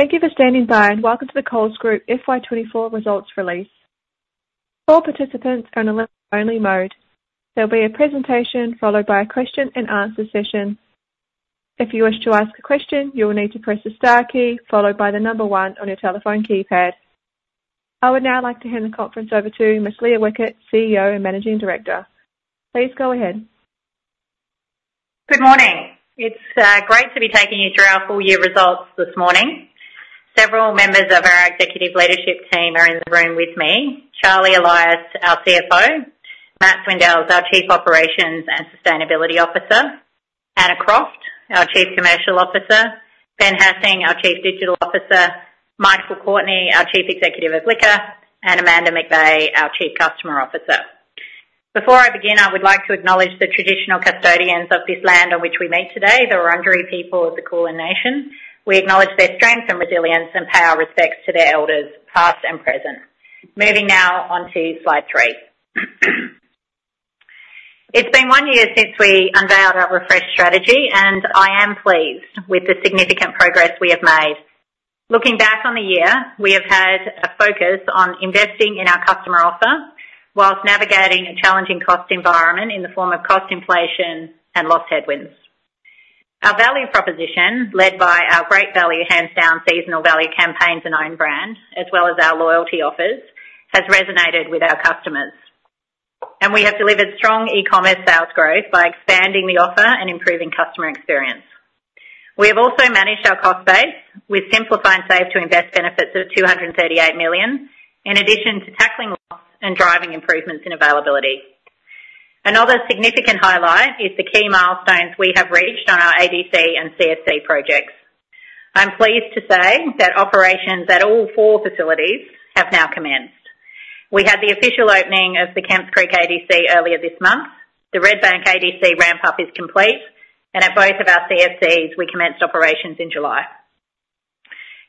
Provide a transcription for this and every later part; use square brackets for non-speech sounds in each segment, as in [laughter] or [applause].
Thank you for standing by, and welcome to the Coles Group FY twenty-four results release. All participants are in a listen-only mode. There will be a presentation followed by a question-and-answer session. If you wish to ask a question, you will need to press the star key followed by the number one on your telephone keypad. I would now like to hand the conference over to Ms. Leah Weckert, CEO and Managing Director. Please go ahead. Good morning. It's great to be taking you through our full year results this morning. Several members of our executive leadership team are in the room with me. Charlie Elias, our CFO, Matt Swindells, our Chief Operations and Sustainability Officer, Anna Croft, our Chief Commercial Officer, Ben Hassing, our Chief Digital Officer, Michael Courtney, our Chief Executive of Liquor, and Amanda McVay, our Chief Customer Officer. Before I begin, I would like to acknowledge the traditional custodians of this land on which we meet today, the Wurundjeri people of the Kulin Nation. We acknowledge their strength and resilience and pay our respects to their elders, past and present. Moving now on to slide three. It's been one year since we unveiled our refreshed strategy, and I am pleased with the significant progress we have made. Looking back on the year, we have had a focus on investing in our customer offer while navigating a challenging cost environment in the form of cost inflation and loss headwinds. Our value proposition, led by our Great Value Hands Down seasonal value campaigns and own brand, as well as our loyalty offers, has resonated with our customers, and we have delivered strong e-commerce sales growth by expanding the offer and improving customer experience. We have also managed our cost base with Simplify and Save to invest benefits of AUD 238 million, in addition to tackling loss and driving improvements in availability. Another significant highlight is the key milestones we have reached on our ADC and CFC projects. I'm pleased to say that operations at all four facilities have now commenced. We had the official opening of the Kemps Creek ADC earlier this month. The Redbank ADC ramp-up is complete, and at both of our CFCs, we commenced operations in July.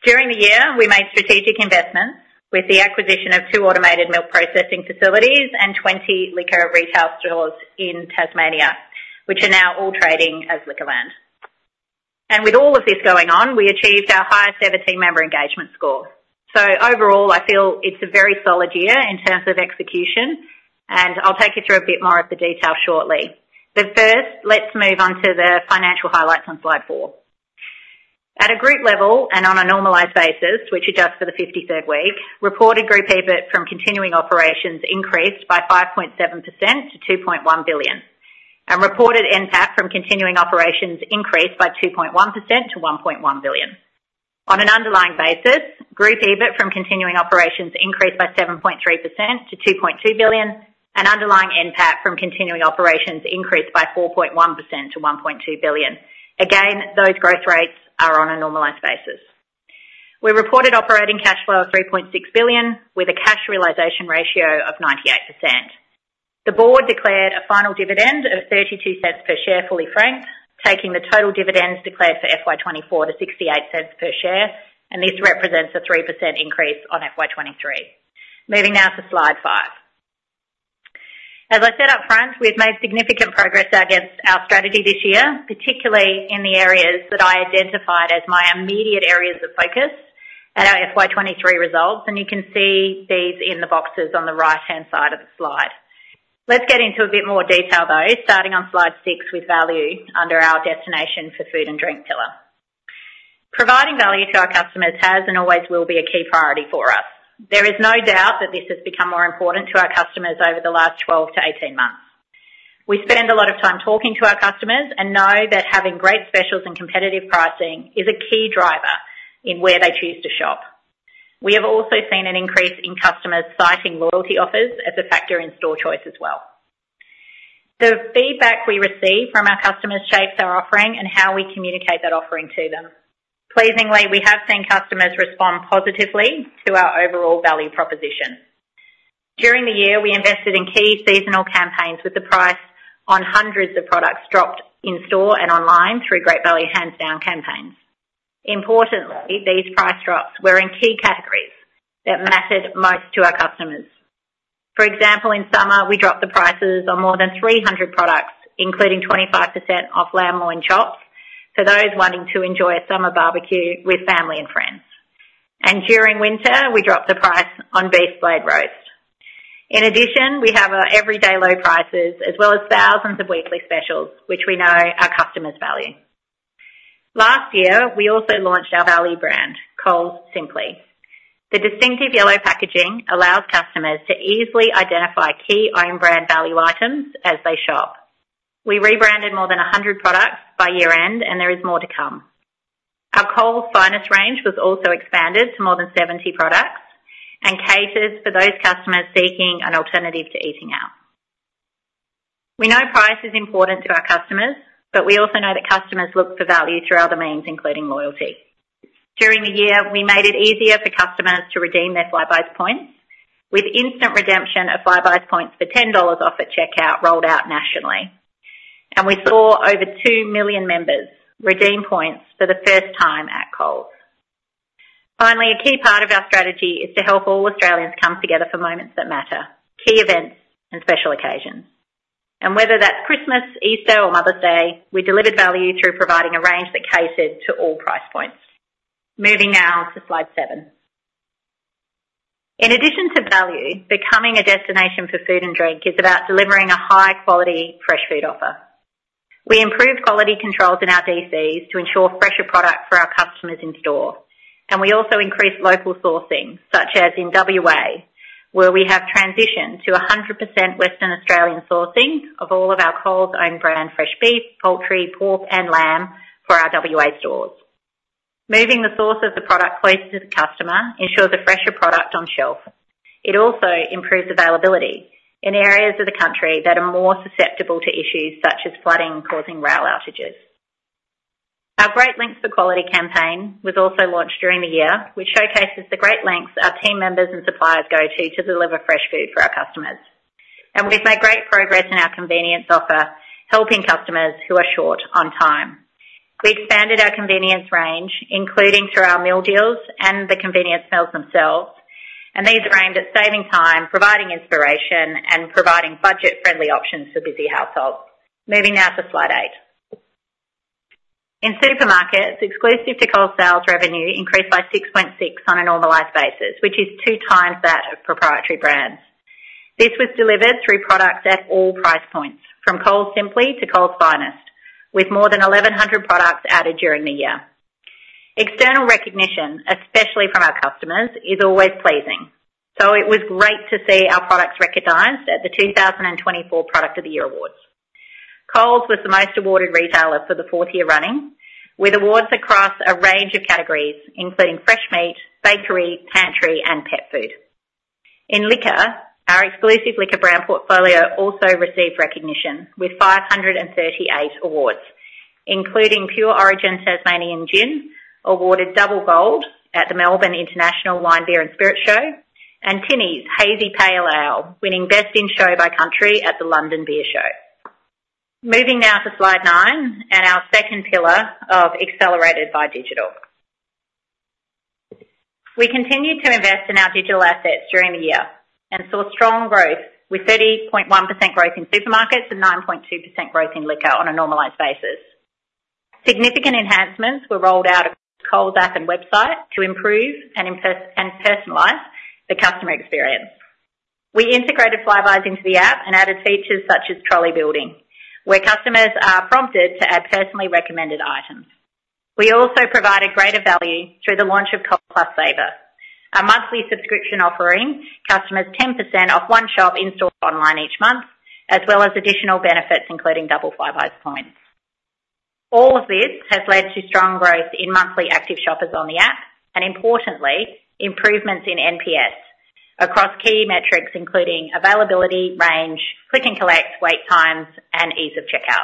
During the year, we made strategic investments with the acquisition of two automated milk processing facilities and 20 liquor retail stores in Tasmania, which are now all trading as Liquorland. And with all of this going on, we achieved our highest-ever team member engagement score. So overall, I feel it's a very solid year in terms of execution, and I'll take you through a bit more of the detail shortly. But first, let's move on to the financial highlights on slide 4. At a group level and on a normalized basis, which adjusts for the 53rd week, reported group EBIT from continuing operations increased by 5.7% to 2.1 billion, and reported NPAT from continuing operations increased by 2.1% to 1.1 billion. On an underlying basis, group EBIT from continuing operations increased by 7.3% to 2.2 billion, and underlying NPAT from continuing operations increased by 4.1% to 1.2 billion. Again, those growth rates are on a normalized basis. We reported operating cash flow of 3.6 billion, with a cash realization ratio of 98%. The board declared a final dividend of 0.32 per share, fully franked, taking the total dividends declared for FY 2024 to 0.68 per share, and this represents a 3% increase on FY 2023. Moving now to slide five. As I said up front, we've made significant progress against our strategy this year, particularly in the areas that I identified as my immediate areas of focus at our FY 2023 results, and you can see these in the boxes on the right-hand side of the slide. Let's get into a bit more detail, though, starting on slide six with value under our destination for food and drink pillar. Providing value to our customers has and always will be a key priority for us. There is no doubt that this has become more important to our customers over the last 12 to 18 months. We spend a lot of time talking to our customers and know that having great specials and competitive pricing is a key driver in where they choose to shop. We have also seen an increase in customers citing loyalty offers as a factor in store choice as well. The feedback we receive from our customers shapes our offering and how we communicate that offering to them. Pleasingly, we have seen customers respond positively to our overall value proposition. During the year, we invested in key seasonal campaigns, with the price on hundreds of products dropped in store and online through Great Value Hands Down campaigns. Importantly, these price drops were in key categories that mattered most to our customers. For example, in summer, we dropped the prices on more than 300 products, including 25% off lamb loin chops, for those wanting to enjoy a summer barbecue with family and friends, and during winter, we dropped the price on beef blade roast. In addition, we have our everyday low prices, as well as thousands of weekly specials, which we know our customers value. Last year, we also launched our value brand, Coles Simply. The distinctive yellow packaging allows customers to easily identify key own brand value items as they shop. We rebranded more than a hundred products by year-end, and there is more to come. Our Coles Finest range was also expanded to more than seventy products and cases for those customers seeking an alternative to eating out. We know price is important to our customers, but we also know that customers look for value through other means, including loyalty. During the year, we made it easier for customers to redeem their Flybuys points, with instant redemption of Flybuys points for 10 dollars off at checkout rolled out nationally, and we saw over 2 million members redeem points for the first time at Coles. Finally, a key part of our strategy is to help all Australians come together for moments that matter, key events, and special occasions, and whether that's Christmas, Easter, or Mother's Day, we delivered value through providing a range that catered to all price points. Moving now to slide 7. In addition to value, becoming a destination for food and drink is about delivering a high-quality, fresh food offer. We improved quality controls in our DCs to ensure fresher product for our customers in store, and we also increased local sourcing, such as in WA, where we have transitioned to 100% Western Australian sourcing of all of our Coles own brand fresh beef, poultry, pork, and lamb for our WA stores. Moving the source of the product closer to the customer ensures a fresher product on shelf. It also improves availability in areas of the country that are more susceptible to issues such as flooding, causing rail outages. Our Great Lengths for Quality campaign was also launched during the year, which showcases the great lengths our team members and suppliers go to, to deliver fresh food for our customers. And we've made great progress in our convenience offer, helping customers who are short on time. We expanded our convenience range, including through our meal deals and the convenience meals themselves, and these are aimed at saving time, providing inspiration, and providing budget-friendly options for busy households. Moving now to slide eight. In supermarkets, Exclusive to Coles sales revenue increased by 6.6 on a normalized basis, which is two times that of proprietary brands. This was delivered through products at all price points, from Coles Simply to Coles Finest, with more than 1,100 products added during the year. External recognition, especially from our customers, is always pleasing, so it was great to see our products recognized at the 2024 Product of the Year Awards. Coles was the most awarded retailer for the fourth year running, with awards across a range of categories, including fresh meat, bakery, pantry, and pet food. In liquor, our exclusive liquor brand portfolio also received recognition, with 538 awards, including Pure Origin Tasmanian Gin, awarded Double Gold at the Melbourne International Wine, Beer and Spirit Show, and Tinnies Hazy Pale Ale, winning Best in Show by Country at the London Beer Show. Moving now to slide 9 and our second pillar of accelerated by digital. We continued to invest in our digital assets during the year and saw strong growth, with 30.1% growth in supermarkets and 9.2% growth in liquor on a normalized basis. Significant enhancements were rolled out across Coles app and website to improve and personalize the customer experience. We integrated Flybuys into the app and added features such as trolley building, where customers are prompted to add personally recommended items. We also provided greater value through the launch of Coles Plus Saver, our monthly subscription offering, customers 10% off one shop in-store or online each month, as well as additional benefits, including double Flybuys points. All of this has led to strong growth in monthly active shoppers on the app, and importantly, improvements in NPS across key metrics, including availability, range, Click and Collect, wait times, and ease of checkout.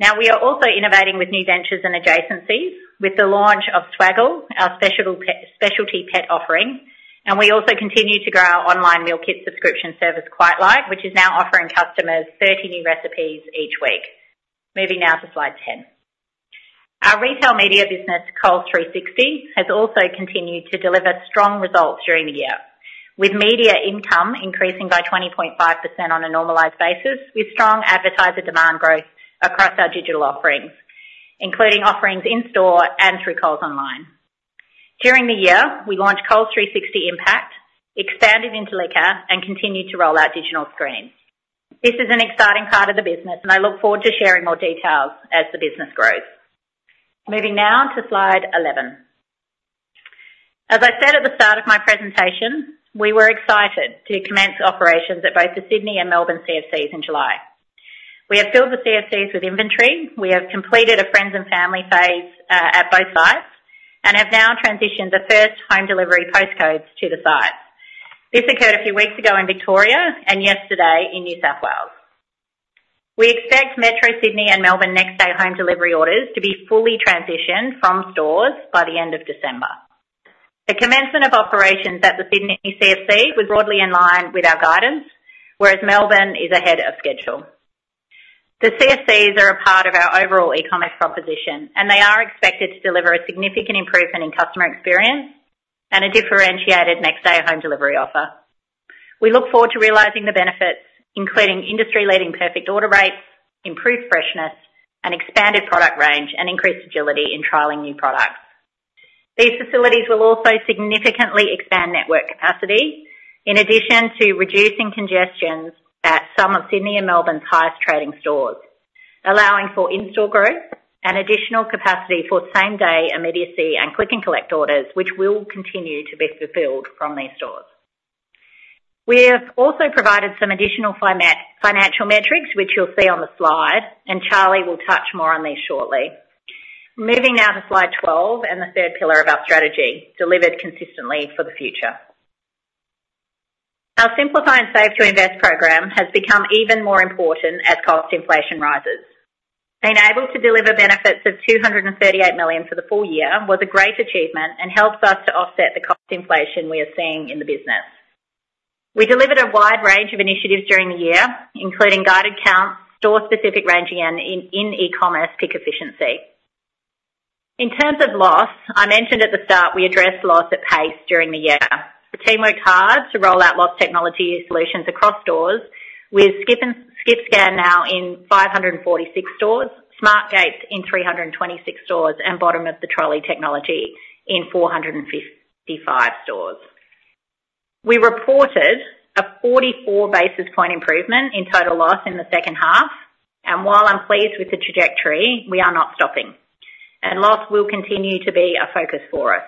Now, we are also innovating with new ventures and adjacencies with the launch of Swaggle, our specialty pet offering, and we also continue to grow our online meal kit subscription service, QuiteLike, which is now offering customers 30 new recipes each week. Moving now to slide 10. Our retail media business, Coles 360, has also continued to deliver strong results during the year, with media income increasing by 20.5% on a normalized basis, with strong advertiser demand growth across our digital offerings, including offerings in store and through Coles Online. During the year, we launched Coles 360 Impact, expanded into liquor, and continued to roll out digital screens. This is an exciting part of the business, and I look forward to sharing more details as the business grows. Moving now to slide 11. As I said at the start of my presentation, we were excited to commence operations at both the Sydney and Melbourne CFCs in July. We have filled the CFCs with inventory, we have completed a friends and family phase at both sites, and have now transitioned the first home delivery postcodes to the site. This occurred a few weeks ago in Victoria and yesterday in New South Wales. We expect Metro Sydney and Melbourne next day home delivery orders to be fully transitioned from stores by the end of December. The commencement of operations at the Sydney CFC were broadly in line with our guidance, whereas Melbourne is ahead of schedule. The CFCs are a part of our overall e-commerce proposition, and they are expected to deliver a significant improvement in customer experience and a differentiated next-day home delivery offer. We look forward to realizing the benefits, including industry-leading perfect order rates, improved freshness, an expanded product range, and increased agility in trialing new products. These facilities will also significantly expand network capacity, in addition to reducing congestions at some of Sydney and Melbourne's highest-trading stores, allowing for in-store growth and additional capacity for same-day immediacy and Click and Collect orders, which will continue to be fulfilled from these stores. We have also provided some additional financial metrics, which you'll see on the slide, and Charlie will touch more on these shortly. Moving now to slide twelve and the third pillar of our strategy, delivered consistently for the future. Our Simplify and Save to Invest program has become even more important as cost inflation rises. Being able to deliver benefits of 238 million for the full year was a great achievement and helps us to offset the cost inflation we are seeing in the business. We delivered a wide range of initiatives during the year, including guided counts, store-specific ranging, and in e-commerce pick efficiency. In terms of loss, I mentioned at the start, we addressed loss at pace during the year. The team worked hard to roll out loss technology solutions across stores, with Skip Scan now in 546 stores, Smart Gates in 326 stores, and Bottom of the Trolley technology in 455 stores. We reported a 44 basis point improvement in total loss in the second half, and while I'm pleased with the trajectory, we are not stopping, and loss will continue to be a focus for us.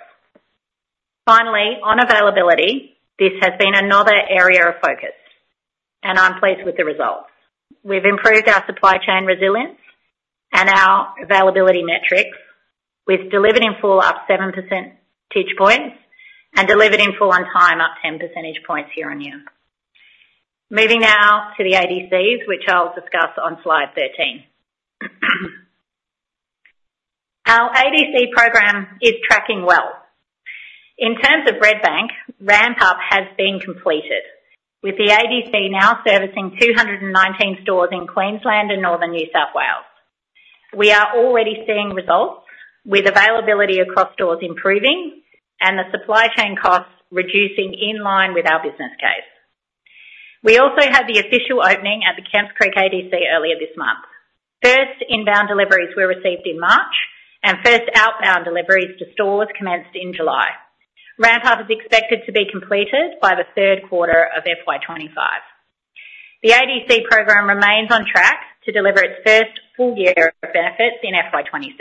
Finally, on availability, this has been another area of focus, and I'm pleased with the results. We've improved our supply chain resilience and our availability metrics, with delivered in full up seven percentage points, and delivered in full on time, up 10 percentage points year-on-year. Moving now to the ADCs, which I'll discuss on slide 13. Our ADC program is tracking well. In terms of Redbank, ramp-up has been completed, with the ADC now servicing 219 stores in Queensland and northern New South Wales. We are already seeing results, with availability across stores improving and the supply chain costs reducing in line with our business case. We also had the official opening at the Kemps Creek ADC earlier this month. First inbound deliveries were received in March, and first outbound deliveries to stores commenced in July. Ramp-up is expected to be completed by the third quarter of FY 2025. The ADC program remains on track to deliver its first full year of benefits in FY 2026.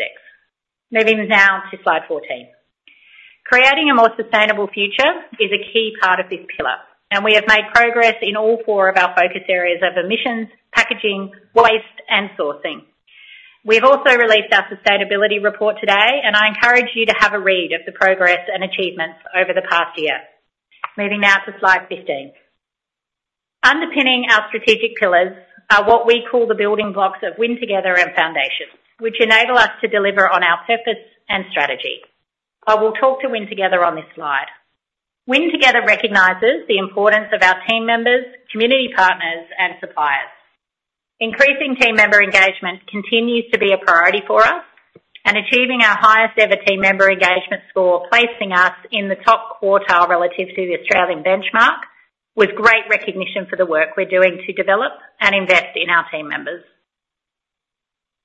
Moving now to slide 14. Creating a more sustainable future is a key part of this pillar, and we have made progress in all four of our focus areas of emissions, packaging, waste, and sourcing. We've also released our sustainability report today, and I encourage you to have a read of the progress and achievements over the past year. Moving now to slide 15. Underpinning our strategic pillars are what we call the building blocks of Win Together and Foundations, which enable us to deliver on our purpose and strategy. I will talk to Win Together on this slide. Win Together recognizes the importance of our team members, community partners, and suppliers. Increasing team member engagement continues to be a priority for us, and achieving our highest-ever team member engagement score, placing us in the top quartile relative to the Australian benchmark, with great recognition for the work we're doing to develop and invest in our team members.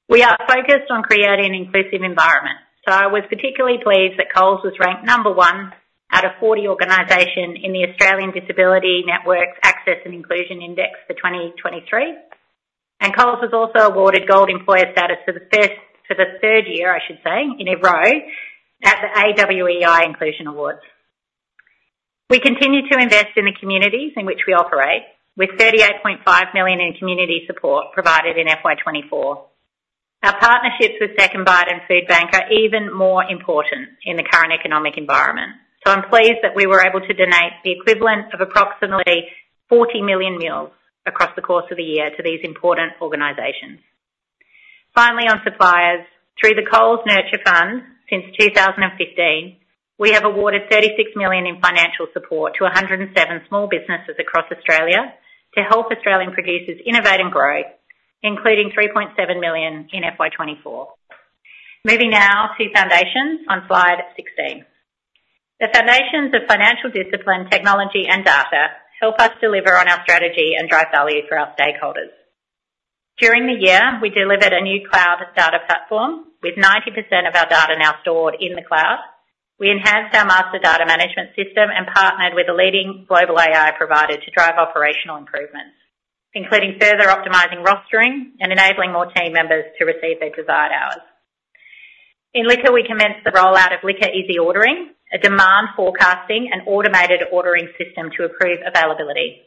We are focused on creating an inclusive environment. So I was particularly pleased that Coles was ranked number one out of 40 organizations in the Australian Disability Network's Access and Inclusion Index for 2023, and Coles was also awarded Gold Employer status for the third year, I should say, in a row at the AWEI Inclusion Awards. We continue to invest in the communities in which we operate, with 38.5 million in community support provided in FY 2024. Our partnerships with SecondBite and Foodbank are even more important in the current economic environment, so I'm pleased that we were able to donate the equivalent of approximately 40 million meals across the course of the year to these important organizations. Finally, on suppliers. Through the Coles Nurture Fund, since 2015, we have awarded 36 million in financial support to 107 small businesses across Australia to help Australian producers innovate and grow, including 3.7 million in FY24. Moving now to Foundations on slide 16. The foundations of financial discipline, technology, and data help us deliver on our strategy and drive value for our stakeholders. During the year, we delivered a new cloud data platform, with 90% of our data now stored in the cloud. We enhanced our master data management system and partnered with a leading global AI provider to drive operational improvements, including further optimizing rostering and enabling more team members to receive their desired hours. In Liquor, we commenced the rollout of Liquor Easy Ordering, a demand forecasting and automated ordering system to improve availability.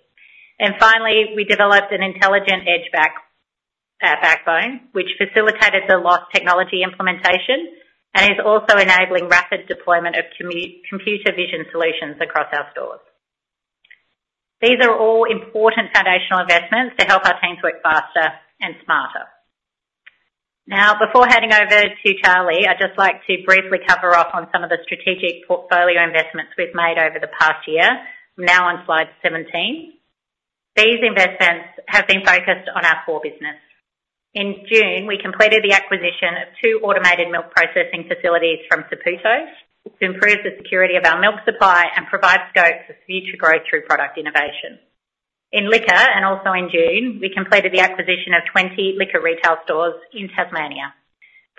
And finally, we developed an intelligent edge backbone, which facilitated the loss technology implementation and is also enabling rapid deployment of computer vision solutions across our stores. These are all important foundational investments to help our team work faster and smarter. Now, before handing over to Charlie, I'd just like to briefly cover off on some of the strategic portfolio investments we've made over the past year, now on slide 17. These investments have been focused on our core business. In June, we completed the acquisition of two automated milk processing facilities from Saputo to improve the security of our milk supply and provide scope for future growth through product innovation. In Liquor, and also in June, we completed the acquisition of 20 liquor retail stores in Tasmania.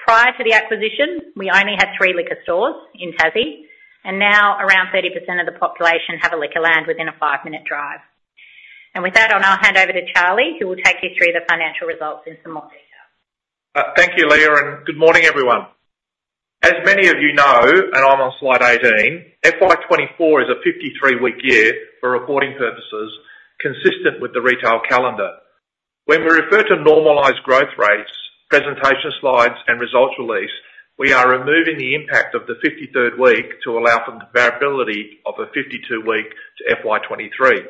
Prior to the acquisition, we only had 3 liquor stores in Tassie, and now around 30% of the population have a Liquorland within a five-minute drive. And with that, I'll now hand over to Charlie, who will take you through the financial results in some more detail. Thank you, Leah, and good morning, everyone. As many of you know, and I'm on slide 18, FY 2024 is a 53-week year for reporting purposes, consistent with the retail calendar. When we refer to normalized growth rates, presentation slides, and results release, we are removing the impact of the 53rd week to allow for the variability of a 52-week to FY 2023.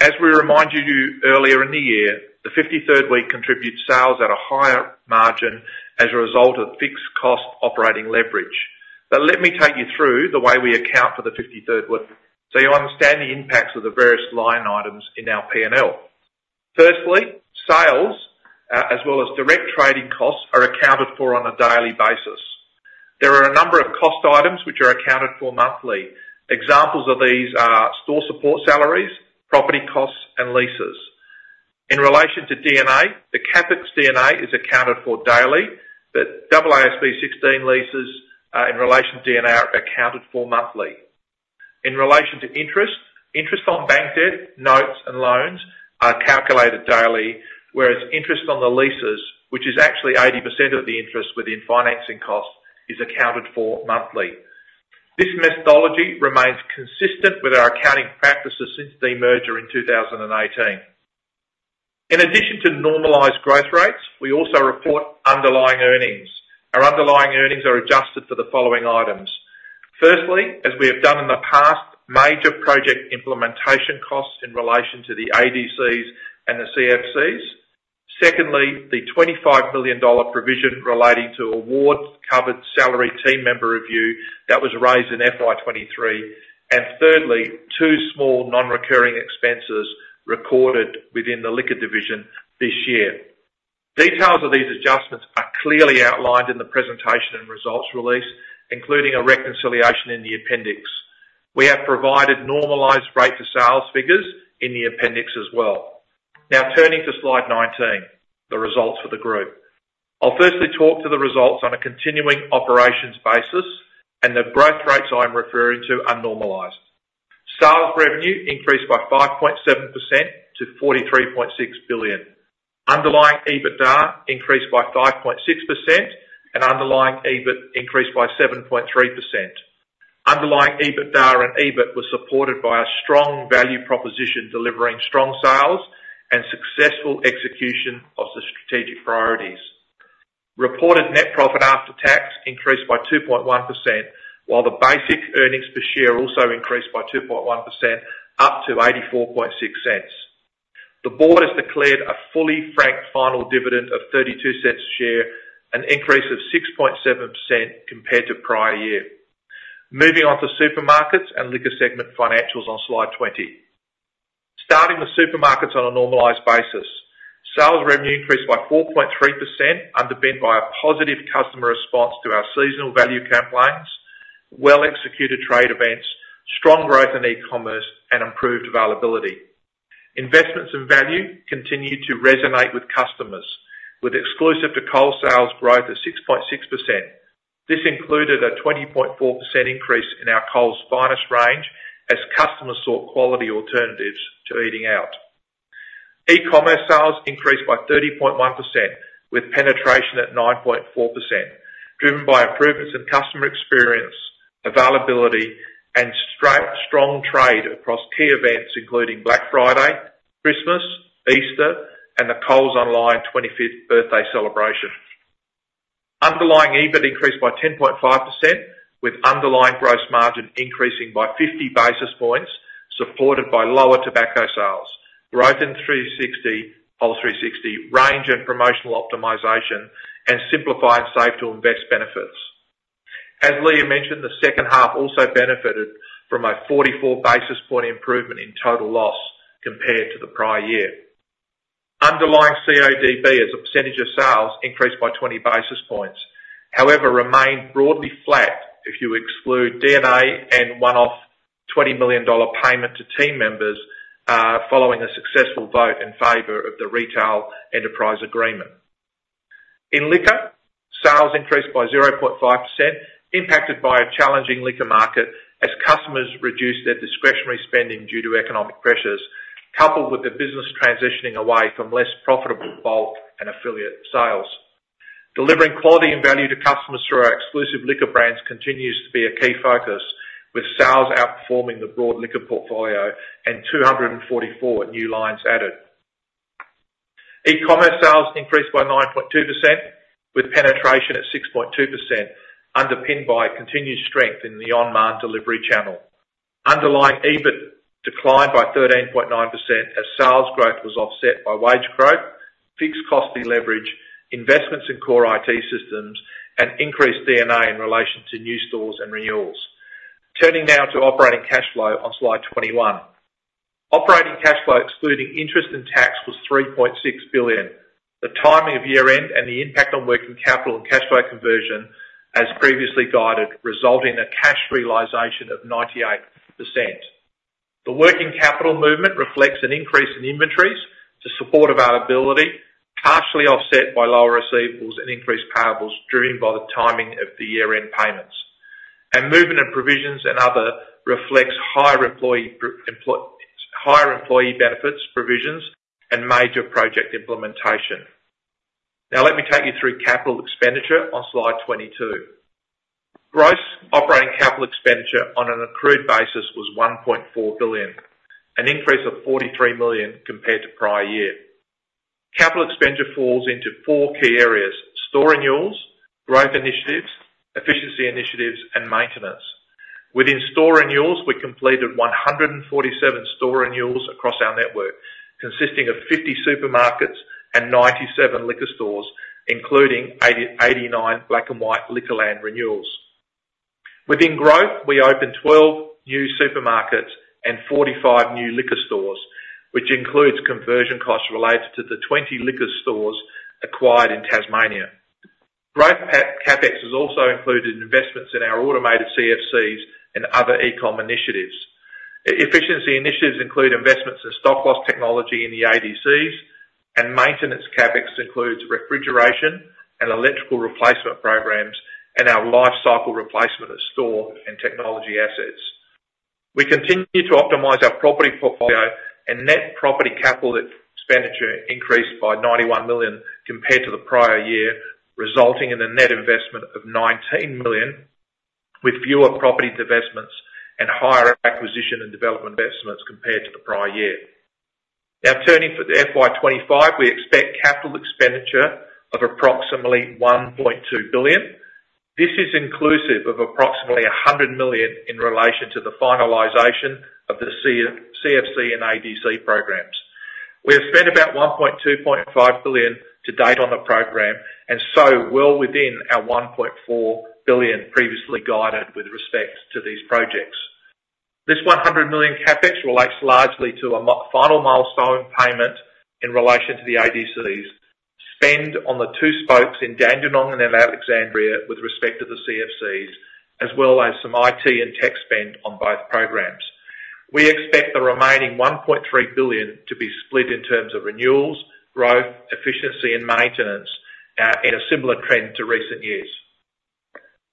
As we reminded you earlier in the year, the 53rd week contributes sales at a higher margin as a result of fixed cost operating leverage. But let me take you through the way we account for the 53rd week, so you understand the impacts of the various line items in our P&L. Firstly, sales, as well as direct trading costs, are accounted for on a daily basis. There are a number of cost items which are accounted for monthly. Examples of these are store support salaries, property costs, and leases. In relation to D&A, the CapEx D&A is accounted for daily, but AASB 16 leases, in relation to D&A are accounted for monthly. In relation to interest, interest on bank debt, notes, and loans are calculated daily, whereas interest on the leases, which is actually 80% of the interest within financing costs, is accounted for monthly. This methodology remains consistent with our accounting practices since demerger in 2018. In addition to normalized growth rates, we also report underlying earnings. Our underlying earnings are adjusted for the following items: firstly, as we have done in the past, major project implementation costs in relation to the ADCs and the CFCs. Secondly, the 25 million dollar provision relating to award-covered salary team member review that was raised in FY 2023. Thirdly, two small non-recurring expenses recorded within the liquor division this year. Details of these adjustments are clearly outlined in the presentation and results release, including a reconciliation in the appendix. We have provided normalized rate for sales figures in the appendix as well. Now, turning to Slide 19, the results for the group. I'll firstly talk to the results on a continuing operations basis, and the growth rates I'm referring to are normalized. Sales revenue increased by 5.7% to 43.6 billion. Underlying EBITDA increased by 5.6%, and underlying EBIT increased by 7.3%. Underlying EBITDA and EBIT were supported by a strong value proposition, delivering strong sales and successful execution of the strategic priorities. Reported net profit after tax increased by 2.1%, while the basic earnings per share also increased by 2.1%, up to 84.6 cents. The board has declared a fully franked final dividend of 32 cents a share, an increase of 6.7% compared to prior year. Moving on to supermarkets and liquor segment financials on Slide 20. Starting with supermarkets on a normalized basis, sales revenue increased by 4.3%, underpinned by a positive customer response to our seasonal value campaigns, well-executed trade events, strong growth in e-commerce, and improved availability. Investments and value continued to resonate with customers, with exclusive to Coles sales growth of 6.6%. This included a 20.4% increase in our Coles Finest range, as customers sought quality alternatives to eating out. E-commerce sales increased by 30.1%, with penetration at 9.4%, driven by improvements in customer experience, availability, and strong trade across key events, including Black Friday, Christmas, Easter, and the Coles Online twenty-fifth birthday celebration. Underlying EBIT increased by 10.5%, with underlying gross margin increasing by 50 basis points, supported by lower tobacco sales, growth in 360, all 360 range and promotional optimization, and Simplify and Save to Invest benefits. As Leah mentioned, the second half also benefited from a 44 basis point improvement in total loss compared to the prior year. Underlying CODB as a percentage of sales increased by 20 basis points, however, remained broadly flat if you exclude D&A and one-off 20 million dollar payment to team members following a successful vote in favor of the retail enterprise agreement. In liquor, sales increased by 0.5%, impacted by a challenging liquor market as customers reduced their discretionary spending due to economic pressures, coupled with the business transitioning away from less profitable bulk and affiliate sales. Delivering quality and value to customers through our exclusive liquor brands continues to be a key focus, with sales outperforming the broad liquor portfolio and 244 new lines added. E-commerce sales increased by 9.2%, with penetration at 6.2%, underpinned by continued strength in the online delivery channel. Underlying EBIT declined by 13.9% as sales growth was offset by wage growth, fixed cost leverage, investments in core IT systems, and increased D&A in relation to new stores and renewals. Turning now to operating cash flow on Slide 21. Operating cash flow, excluding interest and tax, was 3.6 billion. The timing of year-end and the impact on working capital and cash flow conversion, as previously guided, resulting in a cash realization of 98%. The working capital movement reflects an increase in inventories to support availability, partially offset by lower receivables and increased payables, driven by the timing of the year-end payments. The movement in provisions and other reflects higher employee benefits, provisions, and major project implementation. Now, let me take you through capital expenditure on Slide 22. Gross operating capital expenditure on an accrued basis was 1.4 billion, an increase of 43 million compared to prior year. Capital expenditure falls into four key areas: store renewals, growth initiatives, efficiency initiatives, and maintenance. Within store renewals, we completed 147 store renewals across our network, consisting of 50 supermarkets and 97 liquor stores, including 89 Black and White Liquorland renewals. Within growth, we opened 12 new supermarkets and 45 new liquor stores, which includes conversion costs related to the 20 liquor stores acquired in Tasmania. Growth CapEx has also included investments in our automated CFCs and other e-com initiatives. Efficiency initiatives include investments in stock loss technology in the ADCs, and maintenance CapEx includes refrigeration and electrical replacement programs and our lifecycle replacement of store and technology assets. We continue to optimize our property portfolio, and net property capital expenditure increased by 91 million compared to the prior year, resulting in a net investment of 19 million, with fewer property divestments and higher acquisition and development investments compared to the prior year. Now turning to the FY 2025, we expect capital expenditure of approximately 1.2 billion. This is inclusive of approximately 100 million in relation to the finalization of the CFC and ADC programs. We have spent about 1.25 billion to date on the program, and so well within our 1.4 billion previously guided with respect to these projects. This 100 million CapEx relates largely to a final milestone payment in relation to the ADCs, spend on the two spokes in Dandenong and Alexandria with respect to the CFCs, as well as some IT and tech spend on both programs. We expect the remaining 1.3 billion to be split in terms of renewals, growth, efficiency, and maintenance, in a similar trend to recent years.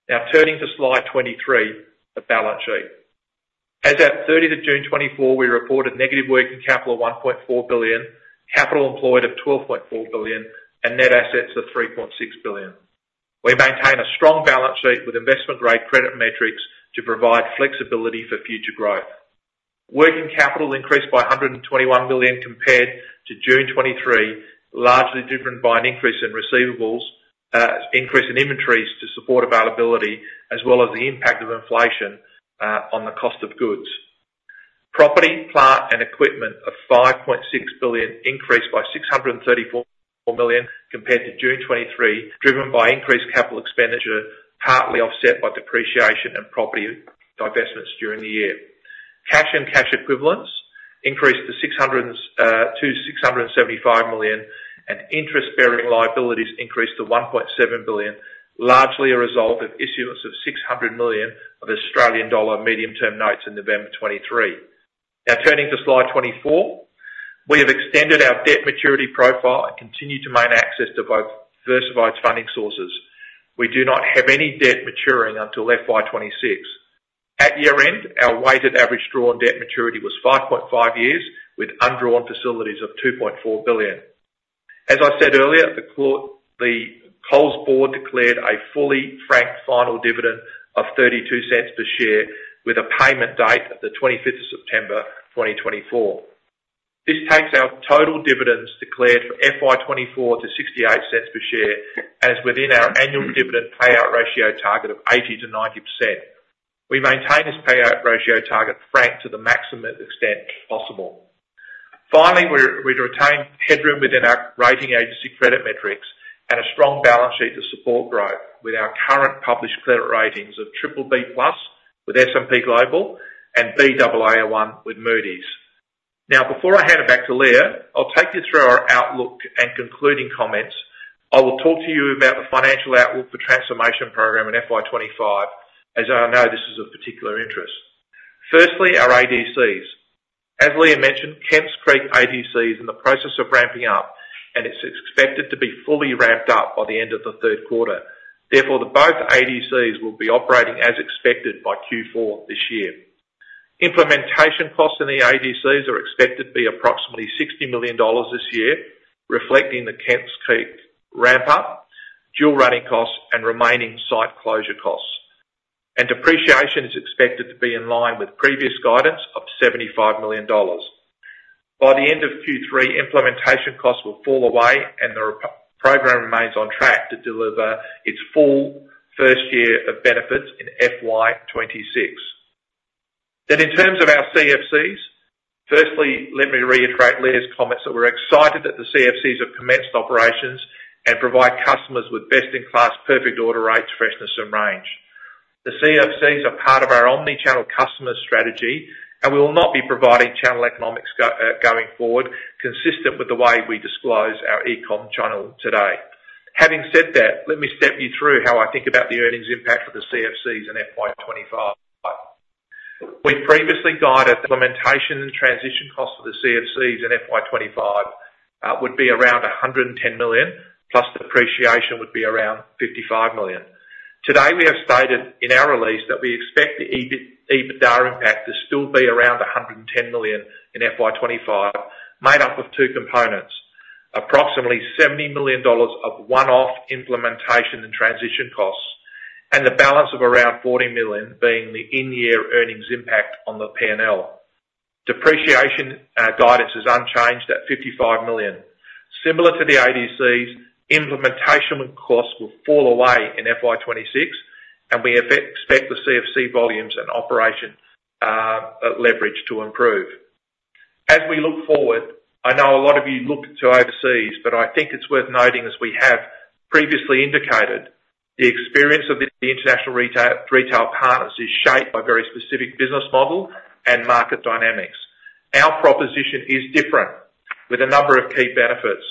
Now, turning to slide 23, the balance sheet. As at 30th of June 2024, we reported negative working capital of 1.4 billion, capital employed of 12.4 billion, and net assets of 3.6 billion. We maintain a strong balance sheet with investment-grade credit metrics to provide flexibility for future growth. Working capital increased by 121 billion compared to June 2023, largely driven by an increase in receivables, increase in inventories to support availability, as well as the impact of inflation, on the cost of goods. Property, plant, and equipment of 5.6 billion increased by 634 million compared to June 2023, driven by increased capital expenditure, partly offset by depreciation and property divestments during the year. Cash and cash equivalents increased to 675 million, and interest-bearing liabilities increased to 1.7 billion, largely a result of issuance of 600 million of Australian dollar medium-term notes in November 2023. Now, turning to slide 24. We have extended our debt maturity profile and continue to maintain access to both diversified funding sources. We do not have any debt maturing until FY26. At year-end, our weighted average drawn debt maturity was 5.5 years, with undrawn facilities of 2.4 billion. As I said earlier, the Coles Board declared a fully franked final dividend of 0.32 per share, with a payment date of the 25th of September 2024. This takes our total dividends declared for FY24 to 0.68 per share, which is within our annual dividend payout ratio target of 80%-90%. We maintain this payout ratio target franked to the maximum extent possible. Finally, we've retained headroom within our rating agency credit metrics and a strong balance sheet to support growth with our current published credit ratings of BBB+ with S&P Global and Baa1 with Moody's. Now, before I hand it back to Leah, I'll take you through our outlook and concluding comments. I will talk to you about the financial outlook for transformation program in FY 2025, as I know this is of particular interest. Firstly, our ADCs. As Leah mentioned, Kemps Creek ADC is in the process of ramping up, and it's expected to be fully ramped up by the end of the third quarter. Therefore, the both ADCs will be operating as expected by Q4 this year. Implementation costs in the ADCs are expected to be approximately 60 million dollars this year, reflecting the Kemps Creek ramp-up, dual running costs, and remaining site closure costs. And depreciation is expected to be in line with previous guidance of 75 million dollars. By the end of Q3, implementation costs will fall away, and the Simplify and Save to Invest program remains on track to deliver its full first year of benefits in FY 2026. Then, in terms of our CFCs, firstly, let me reiterate Leah's comments that we're excited that the CFCs have commenced operations and provide customers with best-in-class, perfect order rates, freshness, and range. The CFCs are part of our omni-channel customer strategy, and we will not be providing channel economics going forward, consistent with the way we disclose our e-com channel today. Having said that, let me step you through how I think about the earnings impact for the CFCs in FY 2025. We previously guided implementation and transition costs for the CFCs in FY 2025 would be around 110 million, plus depreciation would be around 55 million. Today, we have stated in our release that we expect the EBIT, EBITDA impact to still be around 110 million in FY 2025, made up of two components: approximately 70 million dollars of one-off implementation and transition costs, and the balance of around 40 million being the in-year earnings impact on the P&L. Depreciation guidance is unchanged at 55 million. Similar to the ADCs, implementation costs will fall away in FY 2026, and we expect the CFC volumes and operation leverage to improve. As we look forward, I know a lot of you look to overseas, but I think it's worth noting, as we have previously indicated, the experience of the international retail partners is shaped by very specific business model and market dynamics. Our proposition is different, with a number of key benefits.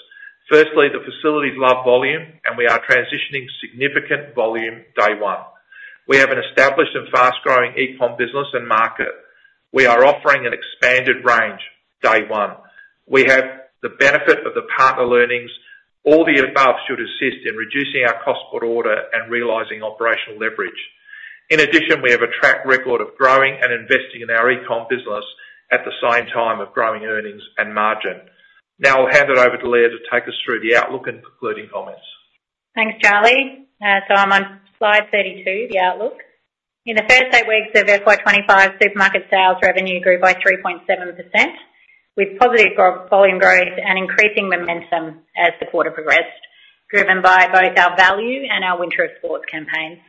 Firstly, the facilities love volume, and we are transitioning significant volume day one. We have an established and fast-growing eComm business and market. We are offering an expanded range, day one. We have the benefit of the partner learnings. All the above should assist in reducing our cost per order and realizing operational leverage. In addition, we have a track record of growing and investing in our eComm business at the same time of growing earnings and margin. Now, I'll hand it over to Leah to take us through the outlook and concluding comments. Thanks, Charlie. So I'm on slide 32, the outlook. In the first eight weeks of FY 2025, supermarket sales revenue grew by 3.7%, with positive volume growth and increasing momentum as the quarter progressed, driven by both our value and our Winter of Sports campaign.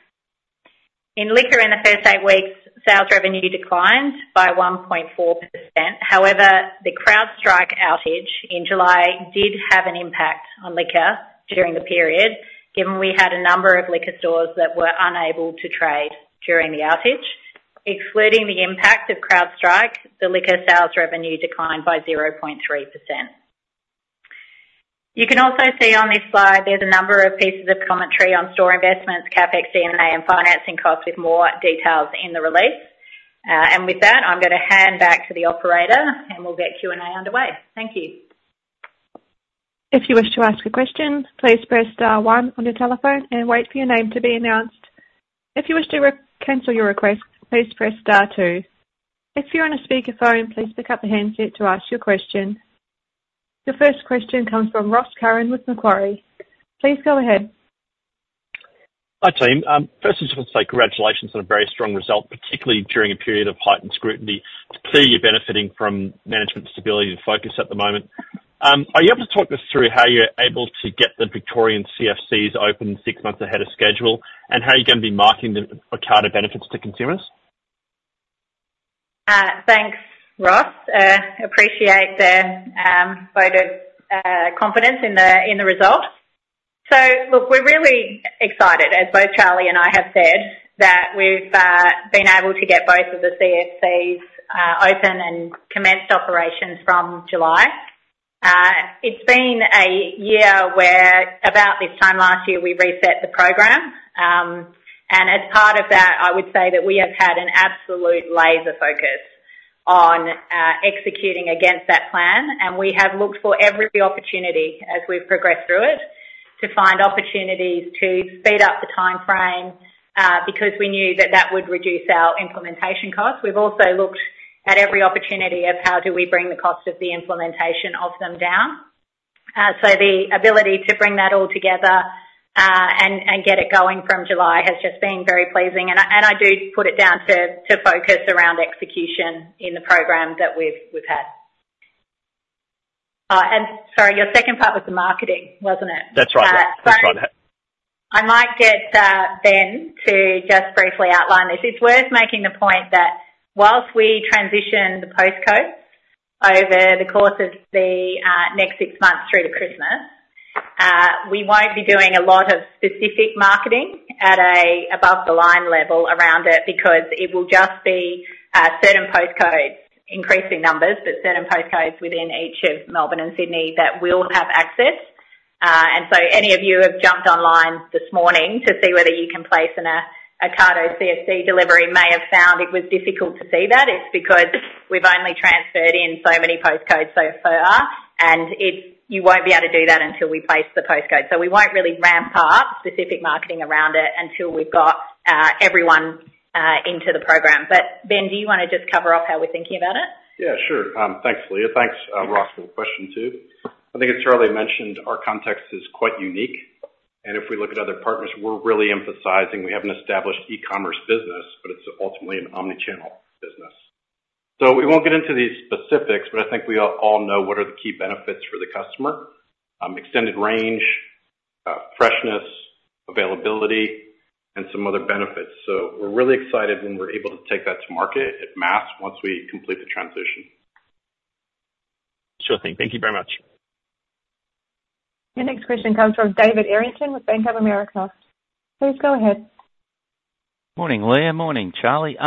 In liquor, in the first eight weeks, sales revenue declined by 1.4%. However, the CrowdStrike outage in July did have an impact on liquor during the period, given we had a number of liquor stores that were unable to trade during the outage. Excluding the impact of CrowdStrike, the liquor sales revenue declined by 0.3%. You can also see on this slide there's a number of pieces of commentary on store investments, CapEx, D&A, and financing costs, with more details in the release. And with that, I'm gonna hand back to the operator, and we'll get Q&A underway. Thank you. If you wish to ask a question, please press star one on your telephone and wait for your name to be announced. If you wish to re-cancel your request, please press star two. If you're on a speakerphone, please pick up the handset to ask your question. The first question comes from Ross Curran with Macquarie. Please go ahead. Hi, team. First, I just want to say congratulations on a very strong result, particularly during a period of heightened scrutiny. It's clear you're benefiting from management stability and focus at the moment. Are you able to talk us through how you're able to get the Victorian CFCs open six months ahead of schedule, and how you're gonna be marketing the Ocado benefits to consumers? Thanks, Ross. Appreciate the vote of confidence in the results. So look, we're really excited, as both Charlie and I have said, that we've been able to get both of the CFCs open and commenced operations from July. It's been a year where about this time last year, we reset the program, and as part of that, I would say that we have had an absolute laser focus on executing against that plan. We have looked for every opportunity as we've progressed through it, to find opportunities to speed up the timeframe, because we knew that that would reduce our implementation costs. We've also looked at every opportunity of how do we bring the cost of the implementation of them down. So the ability to bring that all together, and get it going from July has just been very pleasing, and I do put it down to focus around execution in the program that we've had. And sorry, your second part was the marketing, wasn't it? That's right. Uh, That's right. I might get Ben to just briefly outline this. It's worth making the point that while we transition the postcodes over the course of the next six months through to Christmas, we won't be doing a lot of specific marketing at above the line level around it, because it will just be certain postcodes, increasing numbers, but certain postcodes within each of Melbourne and Sydney that will have access, and so any of you who have jumped online this morning to see whether you can place an Ocado CFC delivery may have found it was difficult to see that. It's because we've only transferred in so many postcodes so far, and you won't be able to do that until we place the postcodes, so we won't really ramp up specific marketing around it until we've got everyone into the program. But Ben, do you wanna just cover off how we're thinking about it? Yeah, sure. Thanks, Leah. Thanks, Ross, for the question, too. I think as Charlie mentioned, our context is quite unique, and if we look at other partners, we're really emphasizing we have an established e-commerce business, but it's ultimately an omni-channel business. So we won't get into the specifics, but I think we all know what are the key benefits for the customer: extended range, freshness, availability, and some other benefits. So we're really excited when we're able to take that to market at mass once we complete the transition. Sure thing. Thank you very much. Your next question comes from David Errington with Bank of America. Please go ahead. Morning, Leah. Morning, Charlie.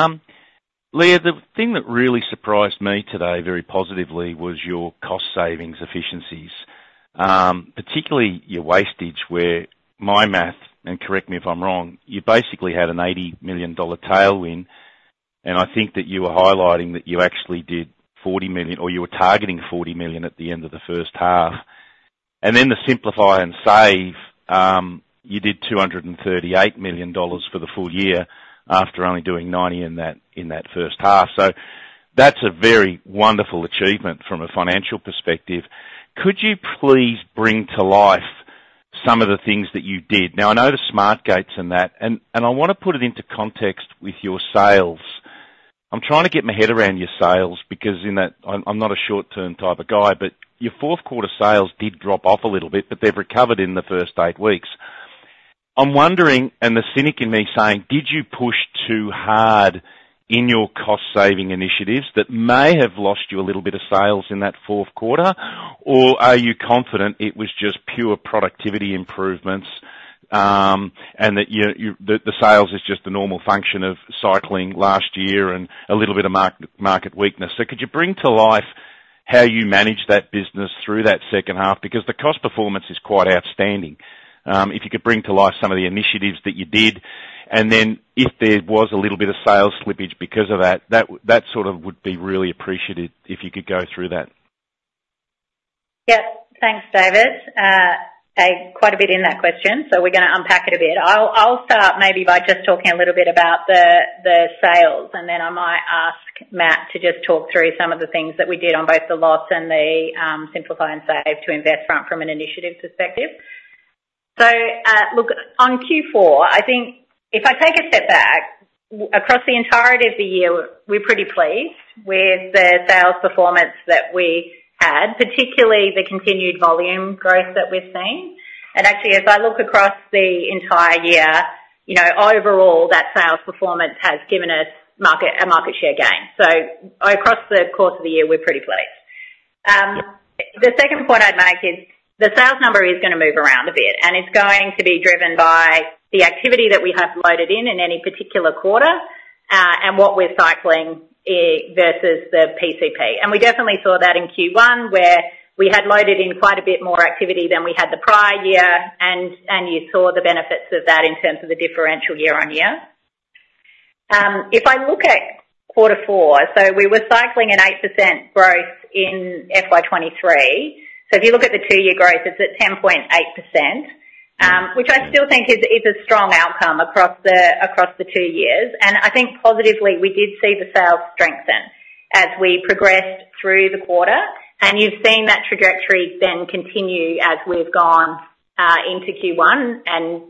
Leah, the thing that really surprised me today, very positively, was your cost savings efficiencies, particularly your wastage, where my math, and correct me if I'm wrong, you basically had an 80 million dollar tailwind, and I think that you were highlighting that you actually did 40 million, or you were targeting 40 million at the end of the first half. And then the Simplify and Save, you did 238 million dollars for the full year after only doing 90 million in that first half. That's a very wonderful achievement from a financial perspective. Could you please bring to life some of the things that you did? Now, I know the Smart Gates and that, and I wanna put it into context with your sales. I'm trying to get my head around your sales, because in that, I'm not a short-term type of guy, but your fourth quarter sales did drop off a little bit, but they've recovered in the first eight weeks. I'm wondering, and the cynic in me is saying: Did you push too hard in your cost-saving initiatives that may have lost you a little bit of sales in that fourth quarter? Or are you confident it was just pure productivity improvements, and that the sales is just a normal function of cycling last year and a little bit of market weakness. So could you bring to life how you managed that business through that second half? Because the cost performance is quite outstanding. If you could bring to life some of the initiatives that you did, and then if there was a little bit of sales slippage because of that, that sort of would be really appreciated, if you could go through that. Yep. Thanks, David. Quite a bit in that question, so we're gonna unpack it a bit. I'll start maybe by just talking a little bit about the sales, and then I might ask Matt to just talk through some of the things that we did on both the loss and the Simplify and Save to Invest front from an initiative perspective. So, look, on Q4, I think if I take a step back, across the entirety of the year, we're pretty pleased with the sales performance that we had, particularly the continued volume growth that we've seen. And actually, as I look across the entire year, you know, overall, that sales performance has given us a market share gain. So across the course of the year, we're pretty pleased. [crosstalk] The second point I'd make is the sales number is gonna move around a bit, and it's going to be driven by the activity that we have loaded in, in any particular quarter, and what we're cycling versus the PCP. And we definitely saw that in Q1, where we had loaded in quite a bit more activity than we had the prior year, and you saw the benefits of that in terms of the differential year on year. If I look at quarter four, so we were cycling an 8% growth in FY 2023. So if you look at the two-year growth, it's at 10.8%, which I still think is a strong outcome across the two years. I think positively, we did see the sales strengthen as we progressed through the quarter, and you've seen that trajectory then continue as we've gone into Q1.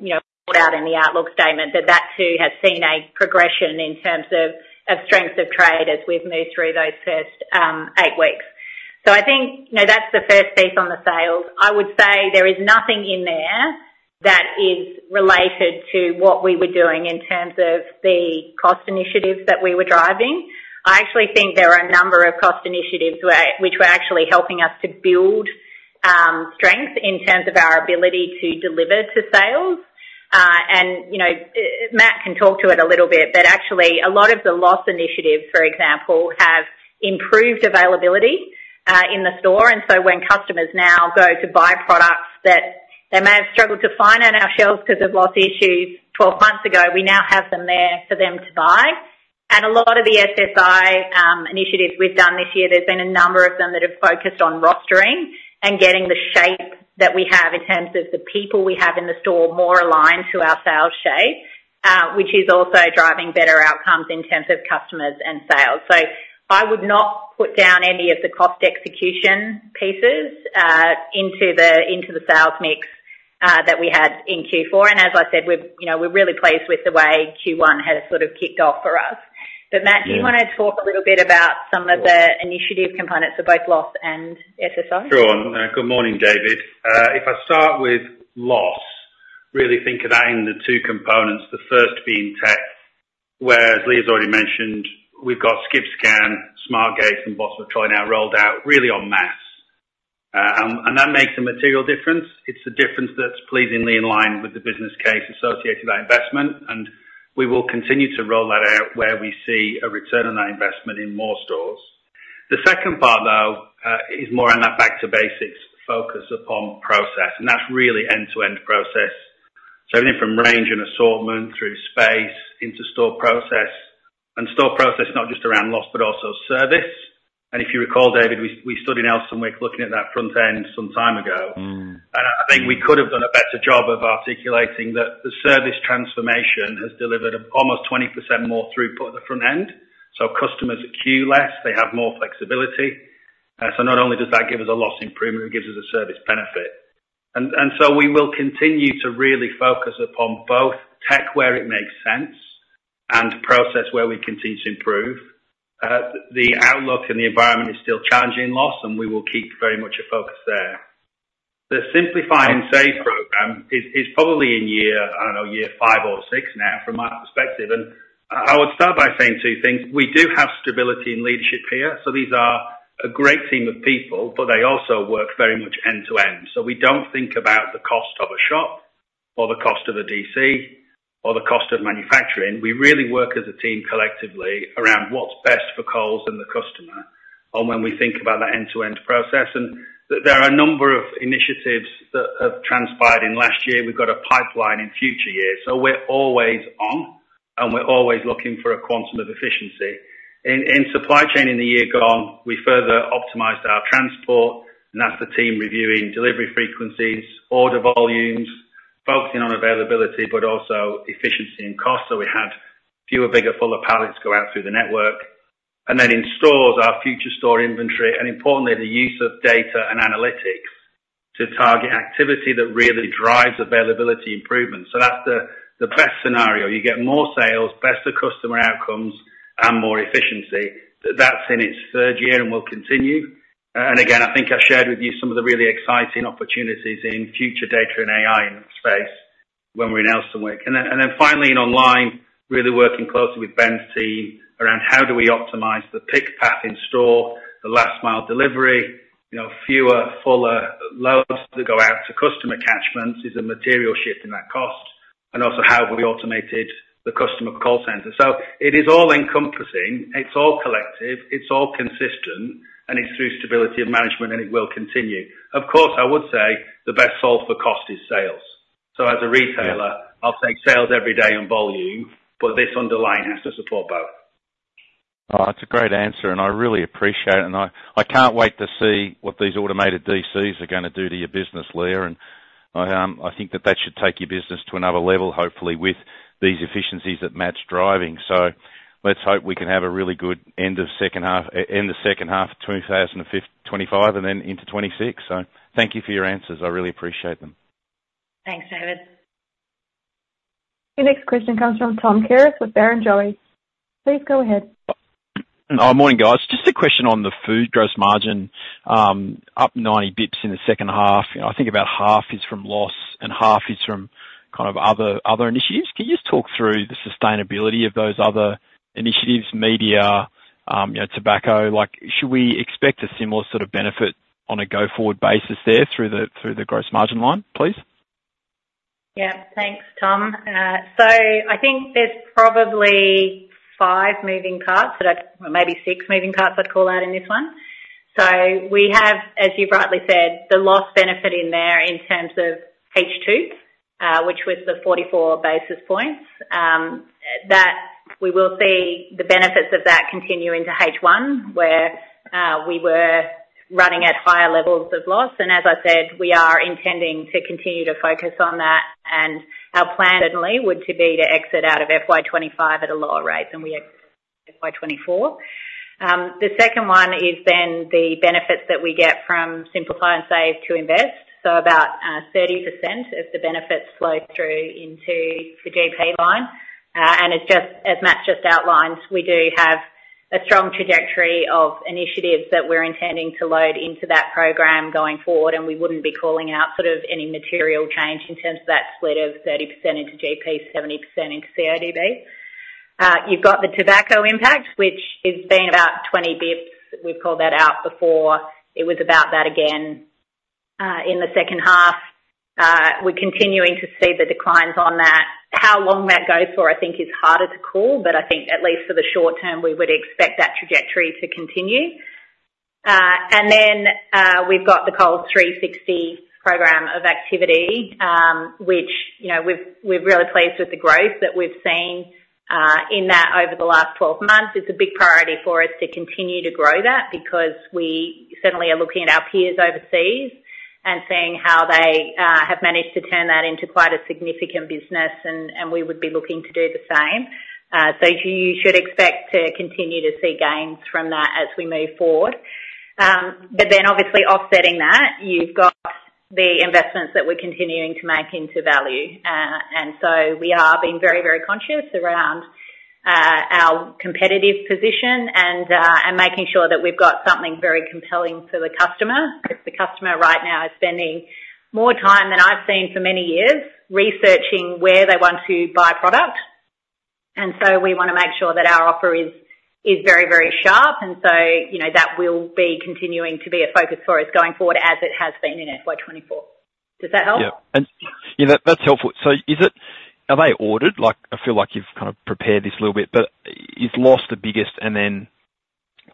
You know, I called out in the outlook statement that that too has seen a progression in terms of strength of trade as we've moved through those first eight weeks. I think, you know, that's the first piece on the sales. I would say there is nothing in there that is related to what we were doing in terms of the cost initiatives that we were driving. I actually think there are a number of cost initiatives which were actually helping us to build strength in terms of our ability to deliver to sales. You know, Matt can talk to it a little bit, but actually, a lot of the loss initiatives, for example, have improved availability in the store. And so when customers now go to buy products that they may have struggled to find on our shelves because of loss issues twelve months ago, we now have them there for them to buy. And a lot of the SSI initiatives we've done this year, there's been a number of them that have focused on rostering and getting the shape that we have in terms of the people we have in the store, more aligned to our sales shape, which is also driving better outcomes in terms of customers and sales. So I would not put down any of the cost execution pieces into the sales mix that we had in Q4. And as I said, we've, you know, we're really pleased with the way Q1 has sort of kicked off for us. So Matt- Yeah. Do you wanna talk a little bit about some of the initiative components of both Loss and SSI? Sure. Good morning, David. If I start with loss, really think of that in the two components, the first being tech, where, as Leah has already mentioned, we've got Skip Scan, Smart Gate, and Bottom of the Trolley now rolled out really en masse. And, and that makes a material difference. It's a difference that's pleasingly in line with the business case associated with that investment, and we will continue to roll that out where we see a return on that investment in more stores. The second part, though, is more on that back to basics focus upon process, and that's really end-to-end process. So anything from range and assortment through space into store process, and store process, not just around loss but also service. And if you recall, David, we, we studied Nielsen Wise looking at that front end some time ago. Mm. I think we could have done a better job of articulating that the service transformation has delivered almost 20% more throughput at the front end, so customers queue less, they have more flexibility. So not only does that give us a loss improvement, it gives us a service benefit. And so we will continue to really focus upon both tech, where it makes sense, and process, where we continue to improve. The outlook and the environment is still challenging in loss, and we will keep very much a focus there. The Simplify and Save program is probably in year, I don't know, year five or six now, from my perspective, and I would start by saying two things: We do have stability in leadership here, so these are a great team of people, but they also work very much end to end. So we don't think about the cost of a shop or the cost of a DC or the cost of manufacturing. We really work as a team collectively around what's best for Coles and the customer, and when we think about that end-to-end process, and there are a number of initiatives that have transpired in last year. We've got a pipeline in future years, so we're always on, and we're always looking for a quantum of efficiency. In supply chain in the year gone, we further optimized our transport, and that's the team reviewing delivery frequencies, order volumes, focusing on availability, but also efficiency and cost. So we have fewer, bigger, fuller pallets go out through the network, and then in stores, our future store inventory, and importantly, the use of data and analytics to target activity that really drives availability improvements. So that's the best scenario. You get more sales, better customer outcomes, and more efficiency. That's in its third year and will continue, and again, I think I shared with you some of the really exciting opportunities in future data and AI space when we're in Elsternwick, and then, and then finally, in online, really working closely with Ben's team around how do we optimize the pick path in store, the last mile delivery, you know, fewer, fuller loads that go out to customer catchments is a material shift in that cost, and also how have we automated the customer call center? So it is all-encompassing, it's all collective, it's all consistent, and it's through stability of management, and it will continue. Of course, I would say the best solve for cost is sales. So as a retailer- Yeah. I'll take sales every day on volume, but this underlying has to support both. That's a great answer, and I really appreciate it. I can't wait to see what these automated DCs are gonna do to your business, Leah. I think that should take your business to another level, hopefully with these efficiencies that Matt's driving. Let's hope we can have a really good end of second half of two thousand and twenty-five and then into twenty-six. Thank you for your answers. I really appreciate them. Thanks, David. The next question comes from Tom Kierath with Barrenjoey. Please go ahead. Oh, morning, guys. Just a question on the food gross margin, up ninety basis points in the second half. I think about half is from loss and half is from kind of other initiatives. Can you just talk through the sustainability of those other initiatives, media, you know, tobacco? Like, should we expect a similar sort of benefit on a go-forward basis there through the gross margin line, please? Yeah. Thanks, Tom. So I think there's probably five moving parts that I... Well, maybe six moving parts I'd call out in this one. So we have, as you rightly said, the loss benefit in there in terms of H2, which was the forty-four basis points, that we will see the benefits of that continue into H1, where, we were running at higher levels of loss. And as I said, we are intending to continue to focus on that, and our plan certainly would to be to exit out of FY 2025 at a lower rate than we had FY 2024. The second one is then the benefits that we get from Simplify and Save to Invest, so about, thirty percent of the benefits flow through into the GP line. And it's just as Matt just outlined, we do have a strong trajectory of initiatives that we're intending to load into that program going forward, and we wouldn't be calling out sort of any material change in terms of that split of 30% into GP, 70% into CODB. You've got the tobacco impact, which has been about 20 basis points. We've called that out before. It was about that again in the second half. We're continuing to see the declines on that. How long that goes for, I think is harder to call, but I think at least for the short term, we would expect that trajectory to continue. And then, we've got the Coles 360 program of activity, which, you know, we're really pleased with the growth that we've seen in that over the last 12 months. It's a big priority for us to continue to grow that, because we certainly are looking at our peers overseas and seeing how they have managed to turn that into quite a significant business, and we would be looking to do the same. So you should expect to continue to see gains from that as we move forward. But then obviously offsetting that, you've got the investments that we're continuing to make into value. And so we are being very, very conscious around our competitive position and making sure that we've got something very compelling for the customer. The customer right now is spending more time than I've seen for many years, researching where they want to buy product. And so we wanna make sure that our offer is very, very sharp. And so, you know, that will be continuing to be a focus for us going forward as it has been in FY 2024. Does that help? Yeah. And, yeah, that, that's helpful. So is it, are they ordered? Like, I feel like you've kind of prepared this a little bit, but is loss the biggest and then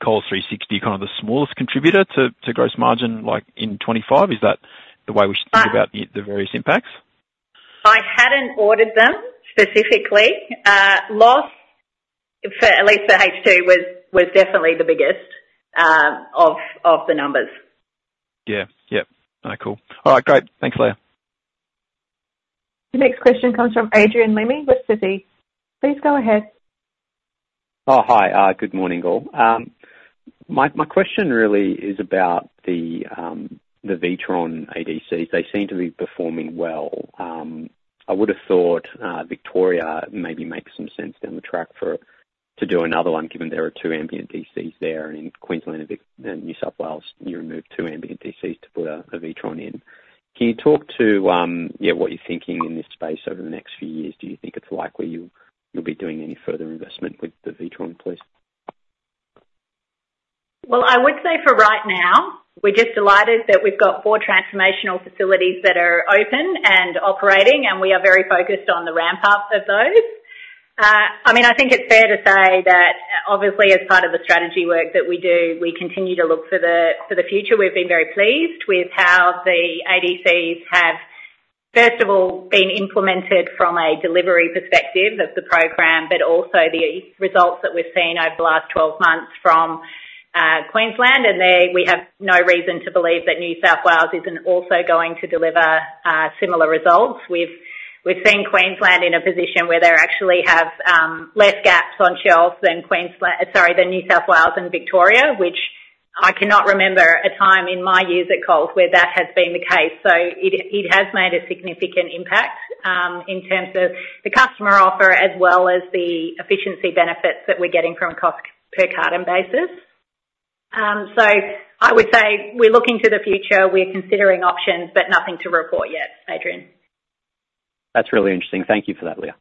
Coles 360, kind of, the smallest contributor to, to gross margin, like, in 2025? Is that the way we should think about the, the various impacts? I hadn't ordered them specifically. Loss for at least for H2 was definitely the biggest of the numbers. Yeah. Yep. Cool. All right, great. Thanks, Leah. The next question comes from Adrian Lemme with Citi. Please go ahead. Oh, hi. Good morning, all. My question really is about the Witron ADCs. They seem to be performing well. I would have thought Victoria maybe makes some sense down the track to do another one, given there are two ambient DCs there and in Queensland and Victoria and New South Wales, you removed two ambient DCs to put a Witron in. Can you talk to what you're thinking in this space over the next few years? Do you think it's likely you'll be doing any further investment with the Witron, please? I would say for right now, we're just delighted that we've got four transformational facilities that are open and operating, and we are very focused on the ramp-up of those. I mean, I think it's fair to say that obviously, as part of the strategy work that we do, we continue to look for the future. We've been very pleased with how the ADCs have, first of all, been implemented from a delivery perspective of the program, but also the results that we've seen over the last 12 months from Queensland, and there we have no reason to believe that New South Wales isn't also going to deliver similar results. We've seen Queensland in a position where they actually have less gaps on shelves than New South Wales and Victoria, which I cannot remember a time in my years at Coles where that has been the case. So it has made a significant impact in terms of the customer offer, as well as the efficiency benefits that we're getting from a cost per carton basis. So I would say we're looking to the future, we're considering options, but nothing to report yet, Adrian. That's really interesting. Thank you for that, Leah.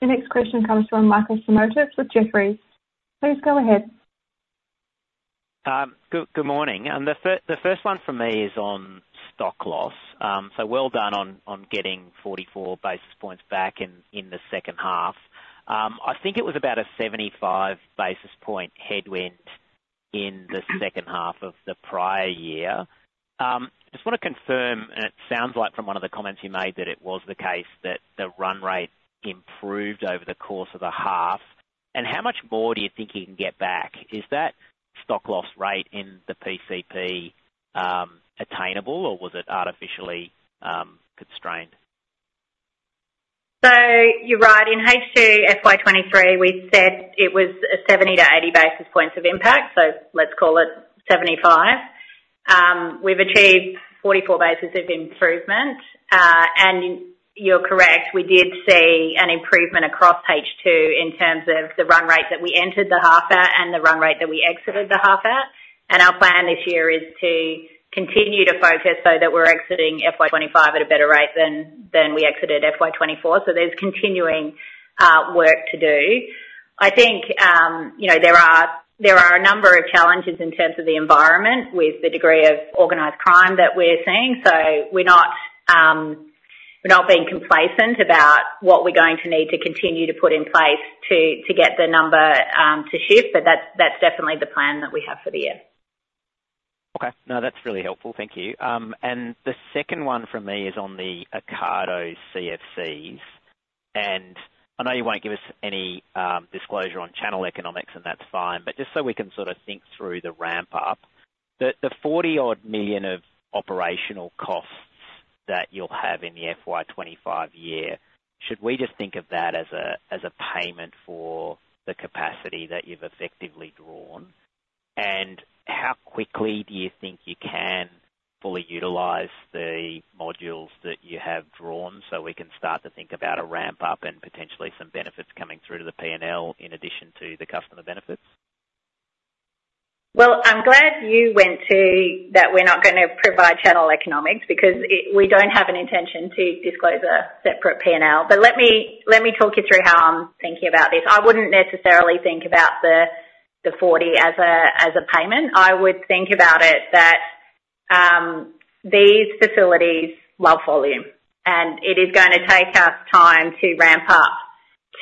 The next question comes from Michael Simotas with Jefferies. Please go ahead. Good morning. And the first one from me is on stock loss. So well done on getting 44 basis points back in the second half. I think it was about a 75 basis point headwind in the second half of the prior year. Just want to confirm, and it sounds like from one of the comments you made that it was the case that the run rate improved over the course of the half. And how much more do you think you can get back? Is that stock loss rate in the PCP attainable, or was it artificially constrained? So you're right. In H2 FY 2023, we said it was a 70-80 basis points of impact, so let's call it 75. We've achieved 44 basis of improvement, and you're correct, we did see an improvement across H2 in terms of the run rate that we entered the half at and the run rate that we exited the half at. And our plan this year is to continue to focus so that we're exiting FY 2025 at a better rate than, than we exited FY 2024. So there's continuing work to do. I think, you know, there are, there are a number of challenges in terms of the environment, with the degree of organized crime that we're seeing. So we're not being complacent about what we're going to need to continue to put in place to get the number to shift, but that's definitely the plan that we have for the year. Okay. No, that's really helpful. Thank you, and the second one from me is on the Ocado CFCs, and I know you won't give us any disclosure on channel economics, and that's fine, but just so we can sort of think through the ramp up, the 40-odd million of operational costs that you'll have in the FY twenty-five year, should we just think of that as a payment for the capacity that you've effectively drawn? And how quickly do you think you can fully utilize the modules that you have drawn, so we can start to think about a ramp up and potentially some benefits coming through to the P&L in addition to the customer benefits? I'm glad you went to, that we're not gonna provide channel economics, because we don't have an intention to disclose a separate P&L. But let me talk you through how I'm thinking about this. I wouldn't necessarily think about the 40 as a payment. I would think about it that these facilities love volume, and it is gonna take us time to ramp up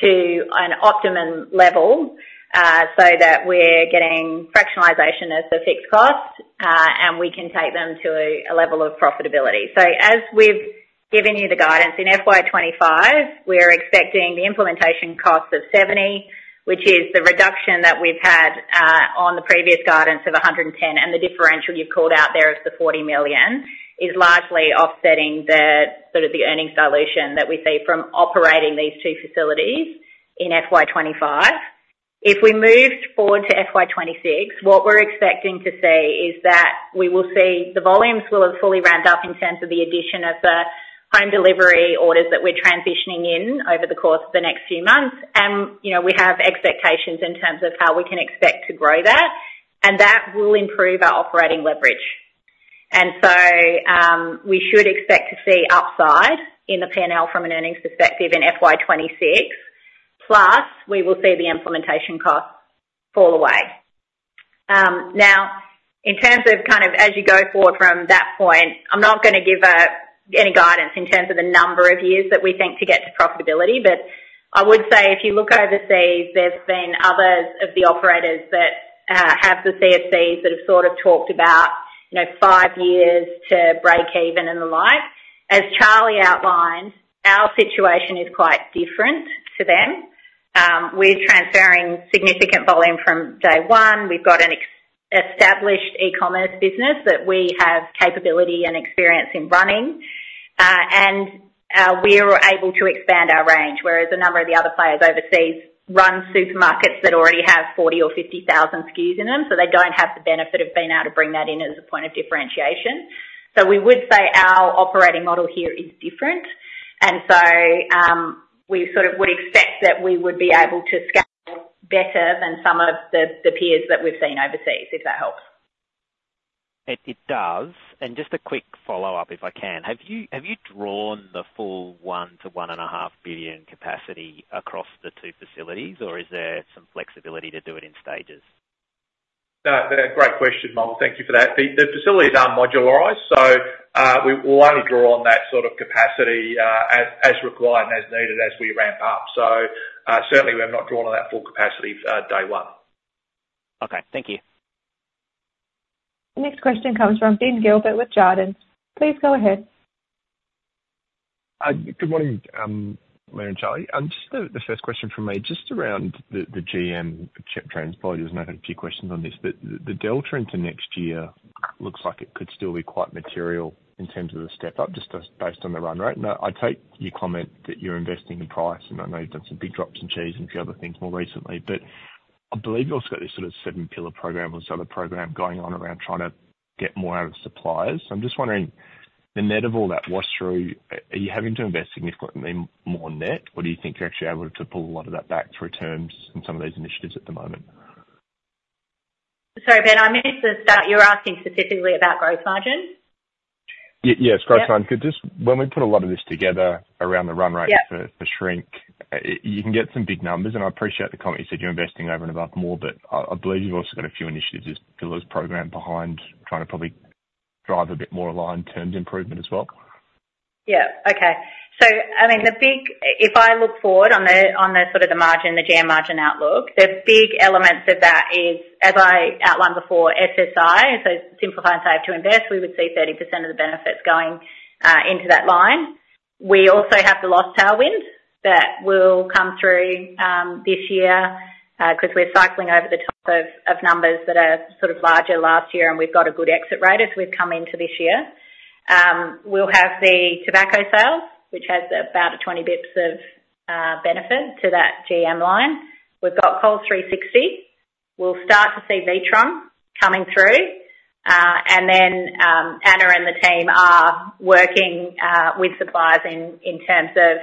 to an optimum level, so that we're getting fractionalization as the fixed cost, and we can take them to a level of profitability. So as we've given you the guidance, in FY 2025, we're expecting the implementation cost of 70, which is the reduction that we've had on the previous guidance of 110. And the differential you've called out there is the 40 million, is largely offsetting the sort of the earnings dilution that we see from operating these two facilities in FY 2025. If we moved forward to FY 2026, what we're expecting to see is that we will see the volumes will have fully ramped up in terms of the addition of the home delivery orders that we're transitioning in over the course of the next few months. And, you know, we have expectations in terms of how we can expect to grow that, and that will improve our operating leverage. And so, we should expect to see upside in the P&L from an earnings perspective in FY 2026, plus we will see the implementation costs fall away. Now, in terms of kind of as you go forward from that point, I'm not gonna give any guidance in terms of the number of years that we think to get to profitability, but I would say if you look overseas, there's been others of the operators that have the CFCs that have sort of talked about, you know, five years to break even and the like. As Charlie outlined, our situation is quite different to them. We're transferring significant volume from day one. We've got an established e-commerce business that we have capability and experience in running, and we are able to expand our range, whereas a number of the other players overseas run supermarkets that already have 40 or 50 thousand SKUs in them, so they don't have the benefit of being able to bring that in as a point of differentiation, so we would say our operating model here is different, and so we sort of would expect that we would be able to scale better than some of the peers that we've seen overseas, if that helps. It does. And just a quick follow-up, if I can: Have you drawn the full 1 billion-1.5 billion capacity across the two facilities, or is there some flexibility to do it in stages? Great question, Michael. Thank you for that. The facility is modularized, so we'll only draw on that sort of capacity as required and as needed, as we ramp up. So, certainly we have not drawn on that full capacity day one. Okay. Thank you. The next question comes from Ben Gilbert with Jarden. Please go ahead. Good morning, Leah and Charlie. Just the first question from me, just around the GM trans volume, and I had a few questions on this. The delta into next year looks like it could still be quite material in terms of the step up, just as based on the run rate. Now, I take your comment that you're investing in price, and I know you've done some big drops in cheese and a few other things more recently, but I believe you've also got this sort of seven-pillar program or seller program going on around trying to get more out of suppliers. I'm just wondering, the net of all that wash through, are you having to invest significantly more net, or do you think you're actually able to pull a lot of that back through terms and some of these initiatives at the moment? Sorry, Ben, I missed the start. You're asking specifically about growth margin? Yes, growth margin. Yeah. Could you just, when we put a lot of this together around the run rate- Yeah... for shrink, you can get some big numbers, and I appreciate the comment. You said you're investing over and above more, but I believe you've also got a few initiatives, this pillars program behind trying to probably drive a bit more aligned terms improvement as well. Yeah. Okay. So I mean, the big. If I look forward on the, on the sort of the margin, the GM margin outlook, the big elements of that is, as I outlined before, SSI, so Simplify and Save to Invest, we would see 30% of the benefits going into that line. We also have the lost tailwind that will come through this year, 'cause we're cycling over the top of numbers that are sort of larger last year, and we've got a good exit rate as we've come into this year. We'll have the tobacco sales, which has about a 20 basis points of benefit to that GM line. We've got Coles 360. We'll start to see Witron coming through. And then, Anna and the team are working with suppliers in terms of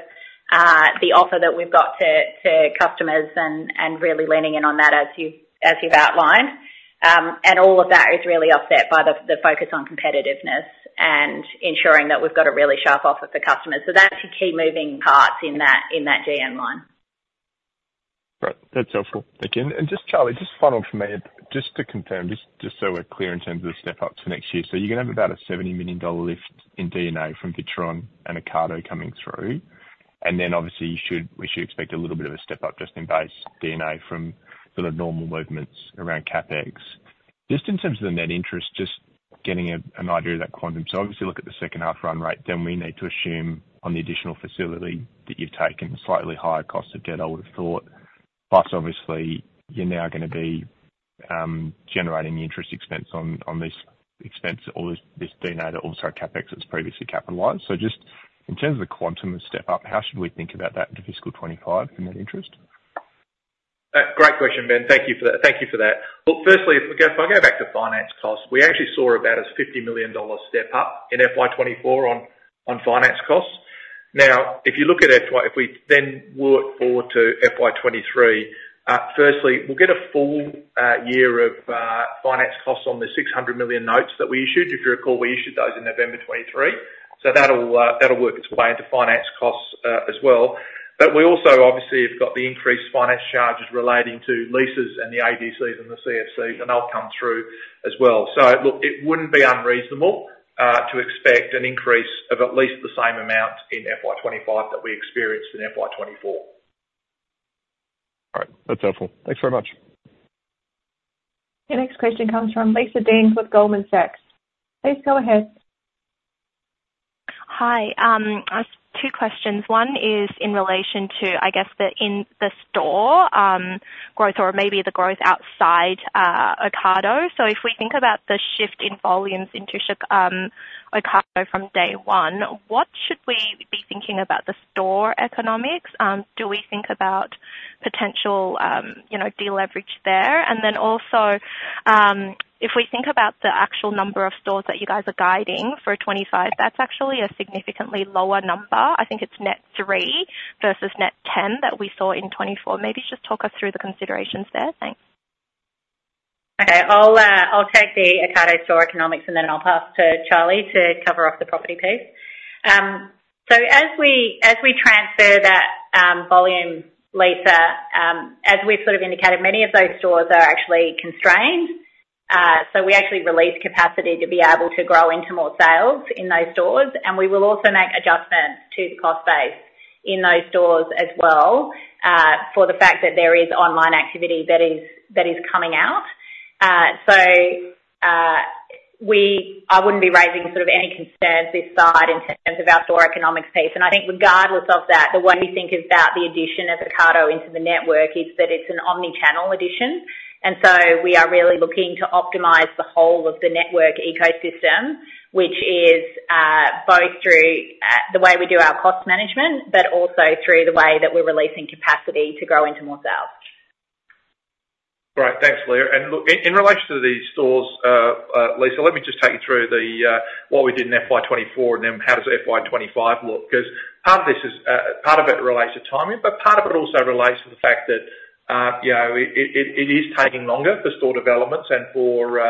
the offer that we've got to customers and really leaning in on that, as you- as you've outlined. And all of that is really offset by the focus on competitiveness and ensuring that we've got a really sharp offer for customers. So that's the key moving parts in that GM line. Great. That's helpful. Thank you. And just Charlie, just final for me, just to confirm, so we're clear in terms of the step up to next year. So you're gonna have about a 70 million dollar lift in D&A from Witron and Ocado coming through, and then obviously, you should, we should expect a little bit of a step up just in base D&A from sort of normal movements around CapEx. Just in terms of the net interest, just getting an idea of that quantum. So obviously, look at the second half run rate, then we need to assume on the additional facility that you've taken slightly higher cost of debt, I would've thought. Plus, obviously, you're now gonna be generating the interest expense on this expense or this D&A that's also CapEx that's previously capitalized. So just in terms of the quantum of step up, how should we think about that into fiscal 2025 in that interest? Great question, Ben. Thank you for that. Well, firstly, if I go back to finance costs, we actually saw about a 50 million dollars step up in FY 2024 on finance costs. Now, if we then work forward to FY 2025, firstly, we'll get a full year of finance costs on the 600 million notes that we issued. If you recall, we issued those in November 2023, so that'll work its way into finance costs as well. But we also obviously have got the increased finance charges relating to leases and the ADCs and the CFCs, and they'll come through as well. Look, it wouldn't be unreasonable to expect an increase of at least the same amount in FY 2025 that we experienced in FY 2024. All right. That's helpful. Thanks very much. Your next question comes from Lisa Deng with Goldman Sachs. Please go ahead. Hi. I have two questions. One is in relation to, I guess, the in-store growth or maybe the growth outside Ocado. So if we think about the shift in volumes into Ocado from day one, what should we be thinking about the store economics? Do we think about potential, you know, deleverage there? And then also, if we think about the actual number of stores that you guys are guiding for 2025, that's actually a significantly lower number. I think it's net 3 versus net 10 that we saw in 2024. Maybe just talk us through the considerations there. Thanks. Okay. I'll take the Ocado store economics, and then I'll pass to Charlie to cover off the property piece. So as we transfer that volume, Lisa, as we've sort of indicated, many of those stores are actually constrained. So we actually release capacity to be able to grow into more sales in those stores, and we will also make adjustments to the cost base in those stores as well, for the fact that there is online activity that is coming out. So, I wouldn't be raising sort of any concerns this side in terms of our store economics piece. And I think regardless of that, the way we think about the addition of Ocado into the network is that it's an omni-channel addition. We are really looking to optimize the whole of the network ecosystem, which is both through the way we do our cost management, but also through the way that we're releasing capacity to grow into more sales. Great. Thanks, Leah. And look, in relation to the stores, Lisa, let me just take you through what we did in FY 2024, and then how does FY 2025 look? 'Cause part of this is, part of it relates to timing, but part of it also relates to the fact that, you know, it is taking longer for store developments and for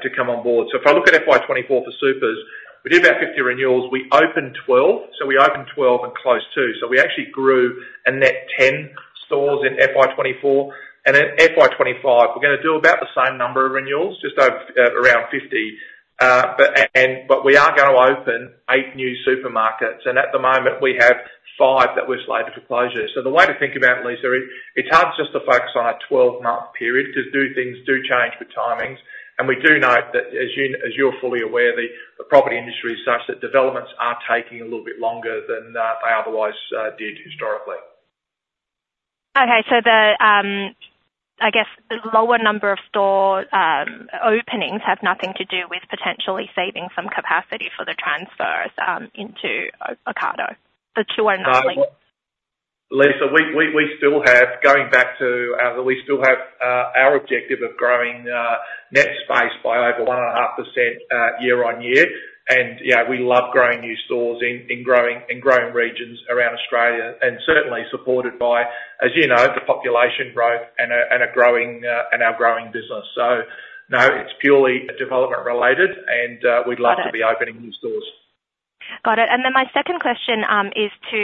to come on board. So if I look at FY 2024 for Supers, we did about 50 renewals. We opened 12, so we opened 12 and closed 2. So we actually grew a net 10 stores in FY 2024, and in FY 2025, we're gonna do about the same number of renewals, just over, around 50.... but we are going to open eight new supermarkets, and at the moment we have five that we've slated for closure. So the way to think about it, Lisa, it's hard for us to focus on a twelve-month period, 'cause things do change with timings, and we do note that as you're fully aware, the property industry is such that developments are taking a little bit longer than they otherwise did historically. Okay. So the, I guess, the lower number of store openings have nothing to do with potentially saving some capacity for the transfers into Ocado, the two are not linked? Lisa, we still have our objective of growing net space by over 1.5% year on year. Yeah, we love growing new stores in growing regions around Australia, and certainly supported by, as you know, the population growth and our growing business. So, no, it's purely development related, and we'd love- Got it. to be opening new stores. Got it. And then my second question is to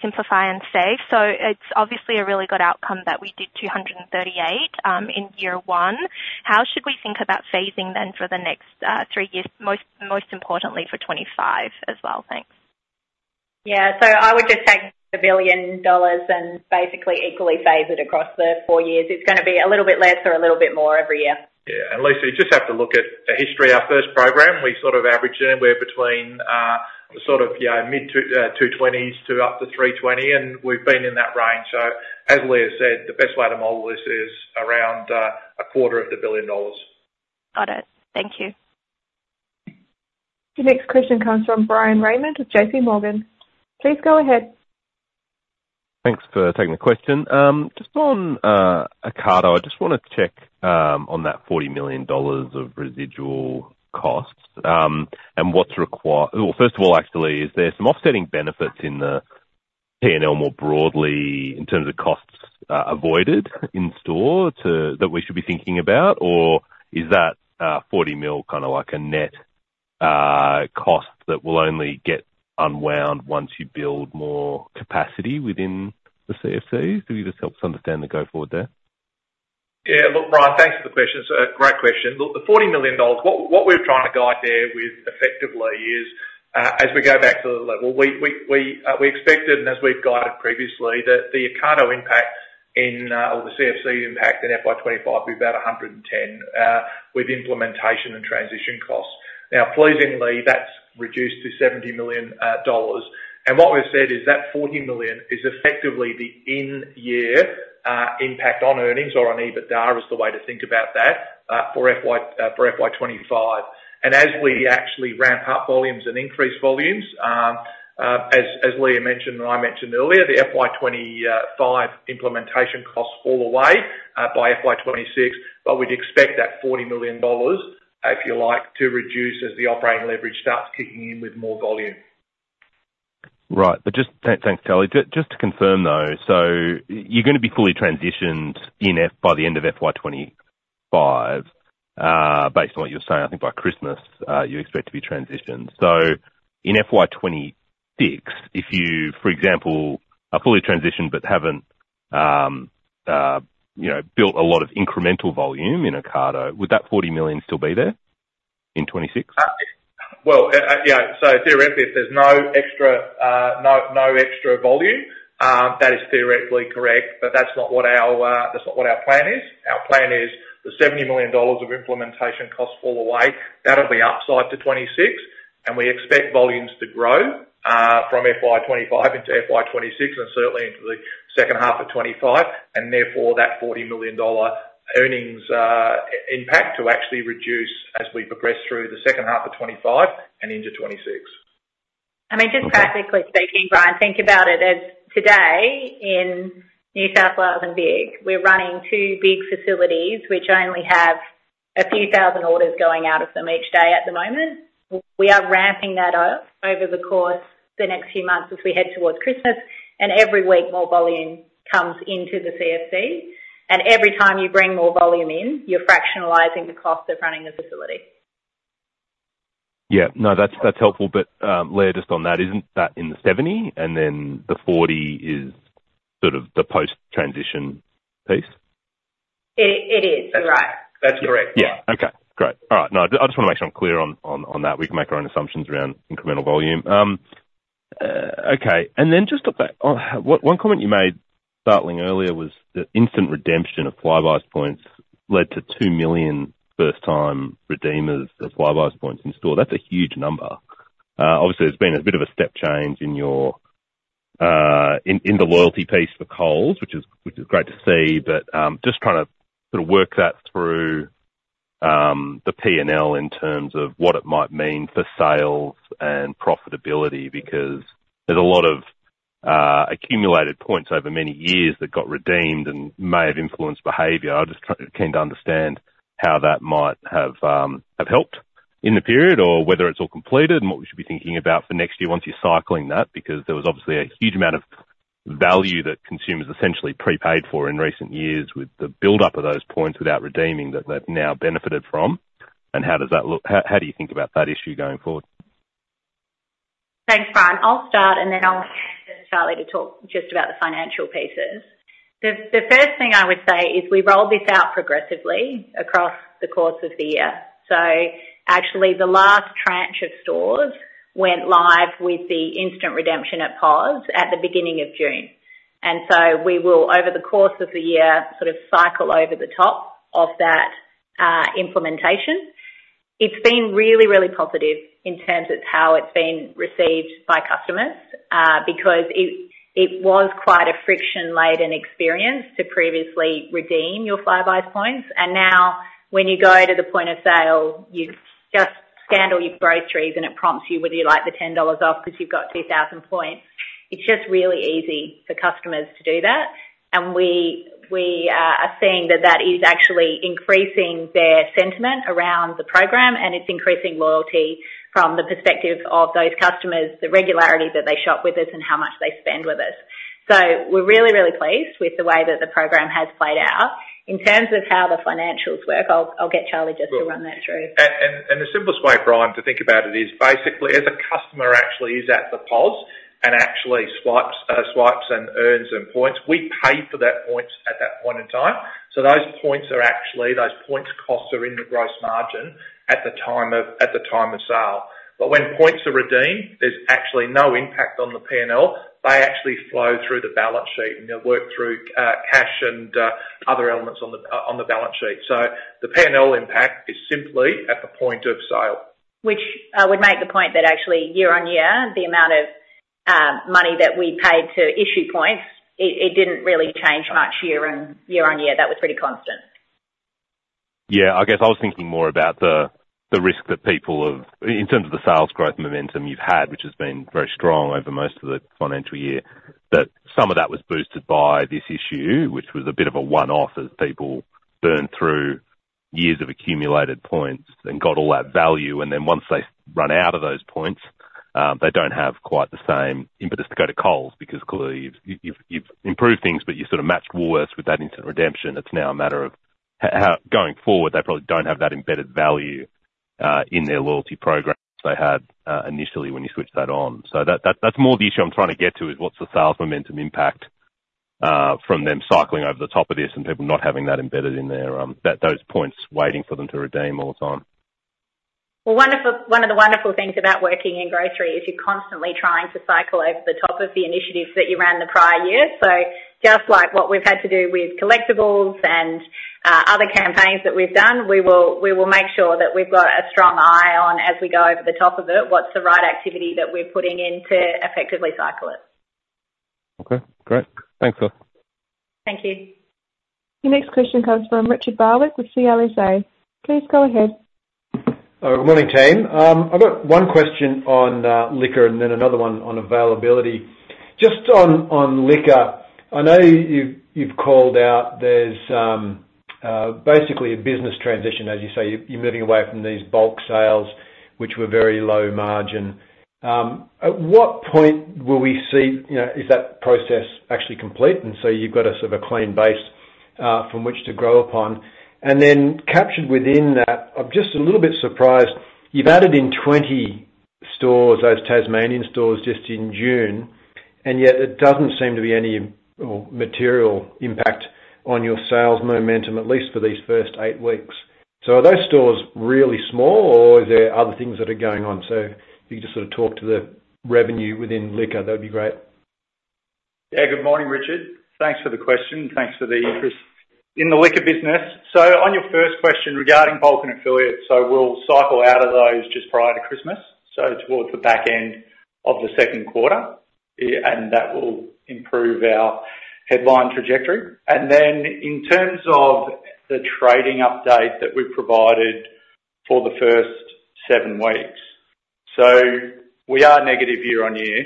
Simplify and Save. So it's obviously a really good outcome that we did two hundred and thirty-eight in year one. How should we think about phasing then for the next three years, most importantly for twenty-five as well? Thanks. Yeah. I would just take 1 billion dollars and basically equally phase it across the four years. It's gonna be a little bit less or a little bit more every year. Yeah. And Lisa, you just have to look at the history. Our first program, we averaged anywhere between mid-twenties to up to three twenty, and we've been in that range. So as Leah said, the best way to model this is around $250 million. Got it. Thank you. The next question comes from Bryan Raymond with JP Morgan. Please go ahead. Thanks for taking the question. Just on Ocado, I just wanna check on that 40 million dollars of residual costs, and well, first of all, actually, is there some offsetting benefits in the P&L more broadly in terms of costs avoided in store too that we should be thinking about? Or is that 40 million kind of like a net cost that will only get unwound once you build more capacity within the CFC? So it just helps understand the go forward there. Yeah. Look, Brian, thanks for the question. It's a great question. Look, the 40 million dollars, what we're trying to guide there with effectively is, as we go back to the level we expected and as we've guided previously, that the Ocado impact in, or the CFC impact in FY 2025, be about 110 million, with implementation and transition costs. Now, pleasingly, that's reduced to 70 million dollars. And what we've said is that 40 million is effectively the in-year impact on earnings or on EBITDA, is the way to think about that, for FY 2025. And as we actually ramp up volumes and increase volumes, as Leah mentioned and I mentioned earlier, the FY 2025 implementation costs fall away, by FY 2026. We'd expect that 40 million dollars, if you like, to reduce as the operating leverage starts kicking in with more volume. Right. But just... Thanks, Charlie. Just to confirm, though, so you're gonna be fully transitioned in FY25 by the end of FY25, based on what you're saying, I think by Christmas, you expect to be transitioned. So in FY26, if you, for example, are fully transitioned but haven't, you know, built a lot of incremental volume in Ocado, would that 40 million still be there in 26? Yeah, so theoretically, if there's no extra volume, that is theoretically correct, but that's not what our plan is. Our plan is the 70 million dollars of implementation costs fall away. That'll be upside to 2026, and we expect volumes to grow from FY 2025 into FY 2026 and certainly into the second half of 2025, and therefore, that 40 million dollar earnings impact to actually reduce as we progress through the second half of 2025 and into 2026. I mean, just practically- Okay... speaking, Brian, think about it as today in New South Wales and Vic, we're running two big facilities which only have a few thousand orders going out of them each day at the moment. We are ramping that up over the course of the next few months as we head towards Christmas, and every week, more volume comes into the CFC, and every time you bring more volume in, you're fractionalizing the cost of running the facility. Yeah. No, that's, that's helpful. But, Leah, just on that, isn't that in the seventy, and then the forty is sort of the post-transition piece? It is. You're right. That's correct, Brian. Yeah. Okay, great. All right. No, I just wanna make sure I'm clear on that. We can make our own assumptions around incremental volume. Okay, and then just go back. One comment you made startling earlier was the instant redemption of Flybuys points led to two million first-time redeemers of Flybuys points in store. That's a huge number. Obviously, there's been a bit of a step change in your in the loyalty piece for Coles, which is great to see. But just trying to sort of work that through, the P&L in terms of what it might mean for sales and profitability, because there's a lot of accumulated points over many years that got redeemed and may have influenced behavior. I'm just keen to understand how that might have helped in the period, or whether it's all completed and what we should be thinking about for next year once you're cycling that, because there was obviously a huge amount of value that consumers essentially prepaid for in recent years with the buildup of those points without redeeming, that they've now benefited from. And how does that look? How do you think about that issue going forward?... Thanks, Brian. I'll start, and then I'll ask Charlie to talk just about the financial pieces. The first thing I would say is we rolled this out progressively across the course of the year. So actually, the last tranche of stores went live with the instant redemption at POS at the beginning of June. And so we will, over the course of the year, sort of cycle over the top of that implementation. It's been really, really positive in terms of how it's been received by customers, because it was quite a friction-laden experience to previously redeem your Flybuys points. And now, when you go to the point of sale, you just scan all your groceries, and it prompts you whether you'd like the 10 dollars off because you've got 2000 points. It's just really easy for customers to do that, and we are seeing that that is actually increasing their sentiment around the program, and it's increasing loyalty from the perspective of those customers, the regularity that they shop with us and how much they spend with us. So we're really, really pleased with the way that the program has played out. In terms of how the financials work, I'll get Charlie just to run that through. The simplest way, Brian, to think about it is basically, as a customer actually is at the POS and actually swipes and earns some points, we pay for that points at that point in time. So those points are actually those points costs are in the gross margin at the time of sale. But when points are redeemed, there's actually no impact on the P&L. They actually flow through the balance sheet, and they'll work through cash and other elements on the balance sheet. So the P&L impact is simply at the point of sale. Which would make the point that actually year-on-year, the amount of money that we paid to issue points, it didn't really change much year and year-on-year. That was pretty constant. Yeah. I guess I was thinking more about the risk that people have in terms of the sales growth momentum you've had, which has been very strong over most of the financial year, that some of that was boosted by this issue, which was a bit of a one-off, as people burned through years of accumulated points and got all that value, and then once they run out of those points, they don't have quite the same impetus to go to Coles because clearly you've improved things, but you sort of matched Woolworths with that instant redemption. It's now a matter of how going forward, they probably don't have that embedded value in their loyalty programs they had initially when you switched that on. So that's more the issue I'm trying to get to, is what's the sales momentum impact from them cycling over the top of this and people not having that embedded in their, those points waiting for them to redeem all the time? One of the wonderful things about working in grocery is you're constantly trying to cycle over the top of the initiatives that you ran the prior year. So just like what we've had to do with collectibles and other campaigns that we've done, we will make sure that we've got a strong eye on as we go over the top of it, what's the right activity that we're putting in to effectively cycle it? Okay, great. Thanks, all. Thank you. Your next question comes from Richard Barwick with CLSA. Please go ahead. Good morning, team. I've got one question on liquor and then another one on availability. Just on liquor, I know you've called out there's basically a business transition, as you say, you're moving away from these bulk sales, which were very low margin. At what point will we see, you know, is that process actually complete, and so you've got a sort of a clean base from which to grow upon? And then captured within that, I'm just a little bit surprised, you've added in 20 stores, those Tasmanian stores, just in June, and yet there doesn't seem to be any, well, material impact on your sales momentum, at least for these first eight weeks. So are those stores really small, or are there other things that are going on? If you could just sort of talk to the revenue within liquor, that'd be great. Yeah. Good morning, Richard. Thanks for the question. Thanks for the interest in the liquor business. So on your first question regarding bulk and affiliates, so we'll cycle out of those just prior to Christmas, so towards the back end of the second quarter, and that will improve our headline trajectory. And then in terms of the trading update that we've provided for the first seven weeks, so we are negative year-on-year.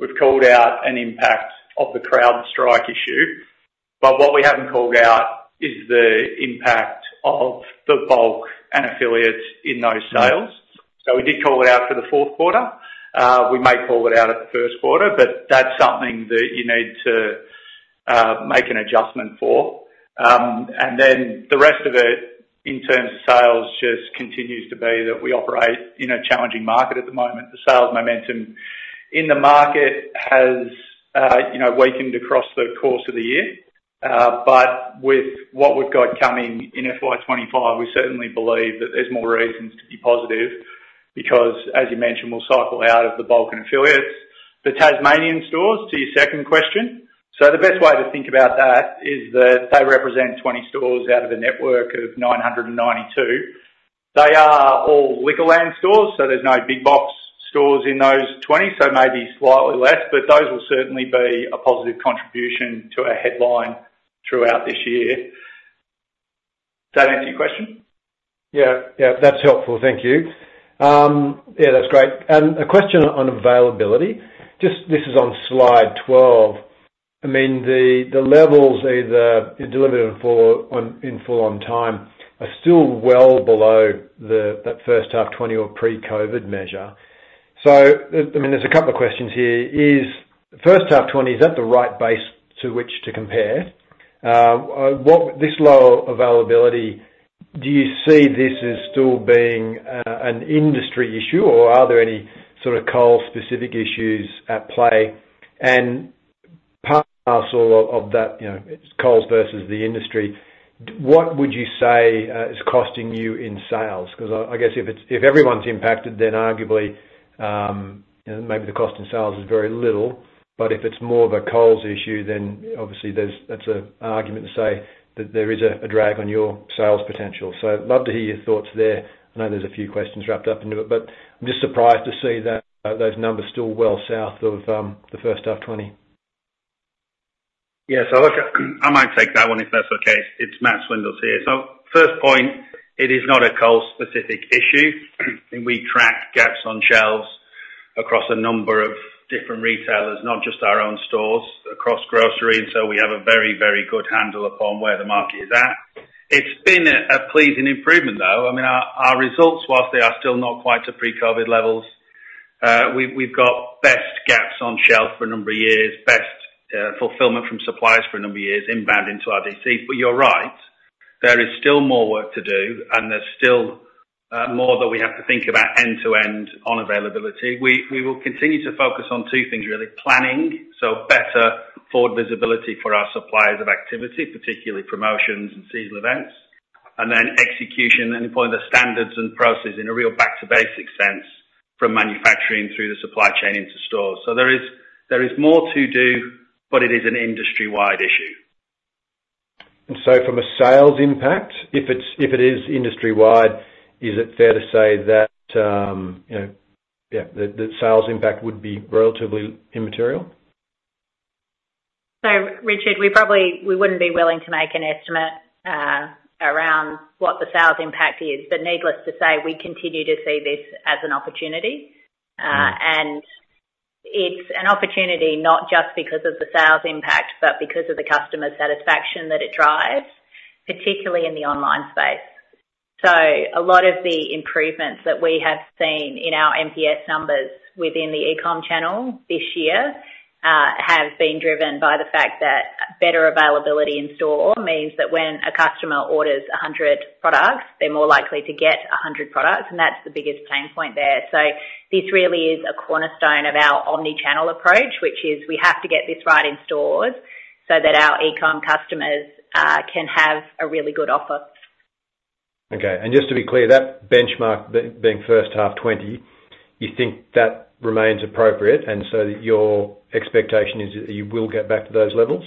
We've called out an impact of the CrowdStrike issue, but what we haven't called out is the impact of the bulk and affiliates in those sales. So we did call it out for the fourth quarter. We may call it out at the first quarter, but that's something that you need to make an adjustment for. And then the rest of it, in terms of sales, just continues to be that we operate in a challenging market at the moment. The sales momentum in the market has, you know, weakened across the course of the year, but with what we've got coming in FY twenty-five, we certainly believe that there's more reasons to be positive because, as you mentioned, we'll cycle out of the bulk and affiliates. The Tasmanian stores, to your second question, so the best way to think about that is that they represent twenty stores out of a network of nine hundred and ninety-two. They are all Liquorland stores, so there's no big box stores in those twenty, so maybe slightly less, but those will certainly be a positive contribution to our headline throughout this year. Does that answer your question? Yeah, yeah, that's helpful. Thank you. Yeah, that's great. And a question on availability. Just, this is on slide 12. I mean, the levels either delivered in full on time are still well below that first half 2020 or pre-COVID measure. So, I mean, there's a couple of questions here. Is the first half 2020, is that the right base to which to compare? What, this low availability, do you see this as still being an industry issue, or are there any sort of Coles specific issues at play? And part and parcel of that, you know, it's Coles versus the industry, what would you say is costing you in sales? 'Cause I guess if it's, if everyone's impacted, then arguably, you know, maybe the cost in sales is very little. But if it's more of a Coles issue, then obviously that's an argument to say that there is a drag on your sales potential. So I'd love to hear your thoughts there. I know there's a few questions wrapped up into it, but I'm just surprised to see that those numbers still well south of the first half 2020. Yes, so look, I might take that one, if that's okay. It's Matt Swindells here. So first point, it is not a Coles-specific issue, and we track gaps on shelves across a number of different retailers, not just our own stores, across grocery, and so we have a very, very good handle upon where the market is at. It's been a pleasing improvement, though. I mean, our results, whilst they are still not quite to pre-COVID levels, we've got best gaps on shelf for a number of years, best fulfillment from suppliers for a number of years, inbound into our DC. But you're right, there is still more work to do, and there's still more that we have to think about end-to-end on availability. We will continue to focus on two things really: planning, so better forward visibility for our suppliers of activity, particularly promotions and seasonal events, and then execution and improving the standards and processes in a real back to basic sense, from manufacturing through the supply chain into stores. So there is more to do, but it is an industry-wide issue. And so from a sales impact, if it's, if it is industry-wide, is it fair to say that, you know, yeah, the sales impact would be relatively immaterial? So Richard, we probably wouldn't be willing to make an estimate around what the sales impact is, but needless to say, we continue to see this as an opportunity. And it's an opportunity not just because of the sales impact, but because of the customer satisfaction that it drives, particularly in the online space. A lot of the improvements that we have seen in our NPS numbers within the e-com channel this year have been driven by the fact that better availability in store means that when a customer orders one hundred products, they're more likely to get one hundred products, and that's the biggest pain point there. This really is a cornerstone of our omni-channel approach, which is we have to get this right in stores so that our e-com customers can have a really good offer. Okay. And just to be clear, that benchmark being first half 2020, you think that remains appropriate, and so your expectation is that you will get back to those levels?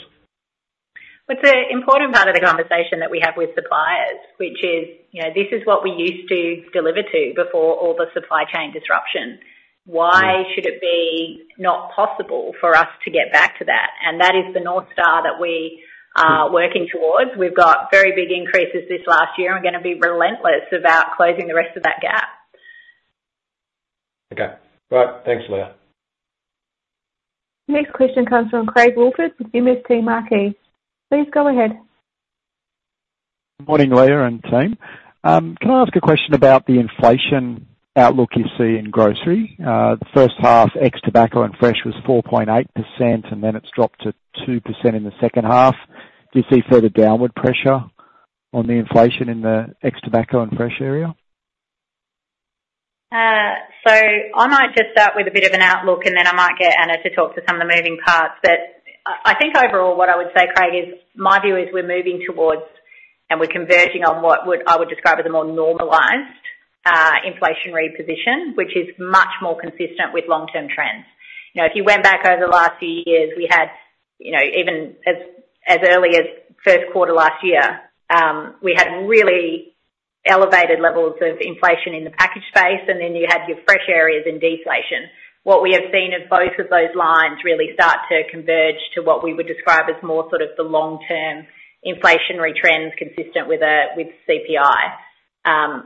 It's an important part of the conversation that we have with suppliers, which is, you know, this is what we used to deliver to before all the supply chain disruption. Why should it be not possible for us to get back to that? And that is the North Star that we are working towards. We've got very big increases this last year, and we're gonna be relentless about closing the rest of that gap. Okay. Right. Thanks, Leah. Next question comes from Craig Woolford with MST Marquee. Please go ahead. Good morning, Leah and team. Can I ask a question about the inflation outlook you see in grocery? The first half, ex tobacco and fresh, was 4.8%, and then it's dropped to 2% in the second half. Do you see further downward pressure on the inflation in the ex tobacco and fresh area? So I might just start with a bit of an outlook, and then I might get Anna to talk to some of the moving parts. But I think overall what I would say, Craig, is my view is we're moving towards, and we're converging on what I would describe as a more normalized inflationary position, which is much more consistent with long-term trends. You know, if you went back over the last few years, we had, you know, even as early as first quarter last year, we had really elevated levels of inflation in the packaged space, and then you had your fresh areas and deflation. What we have seen is both of those lines really start to converge to what we would describe as more sort of the long-term inflationary trends consistent with CPI.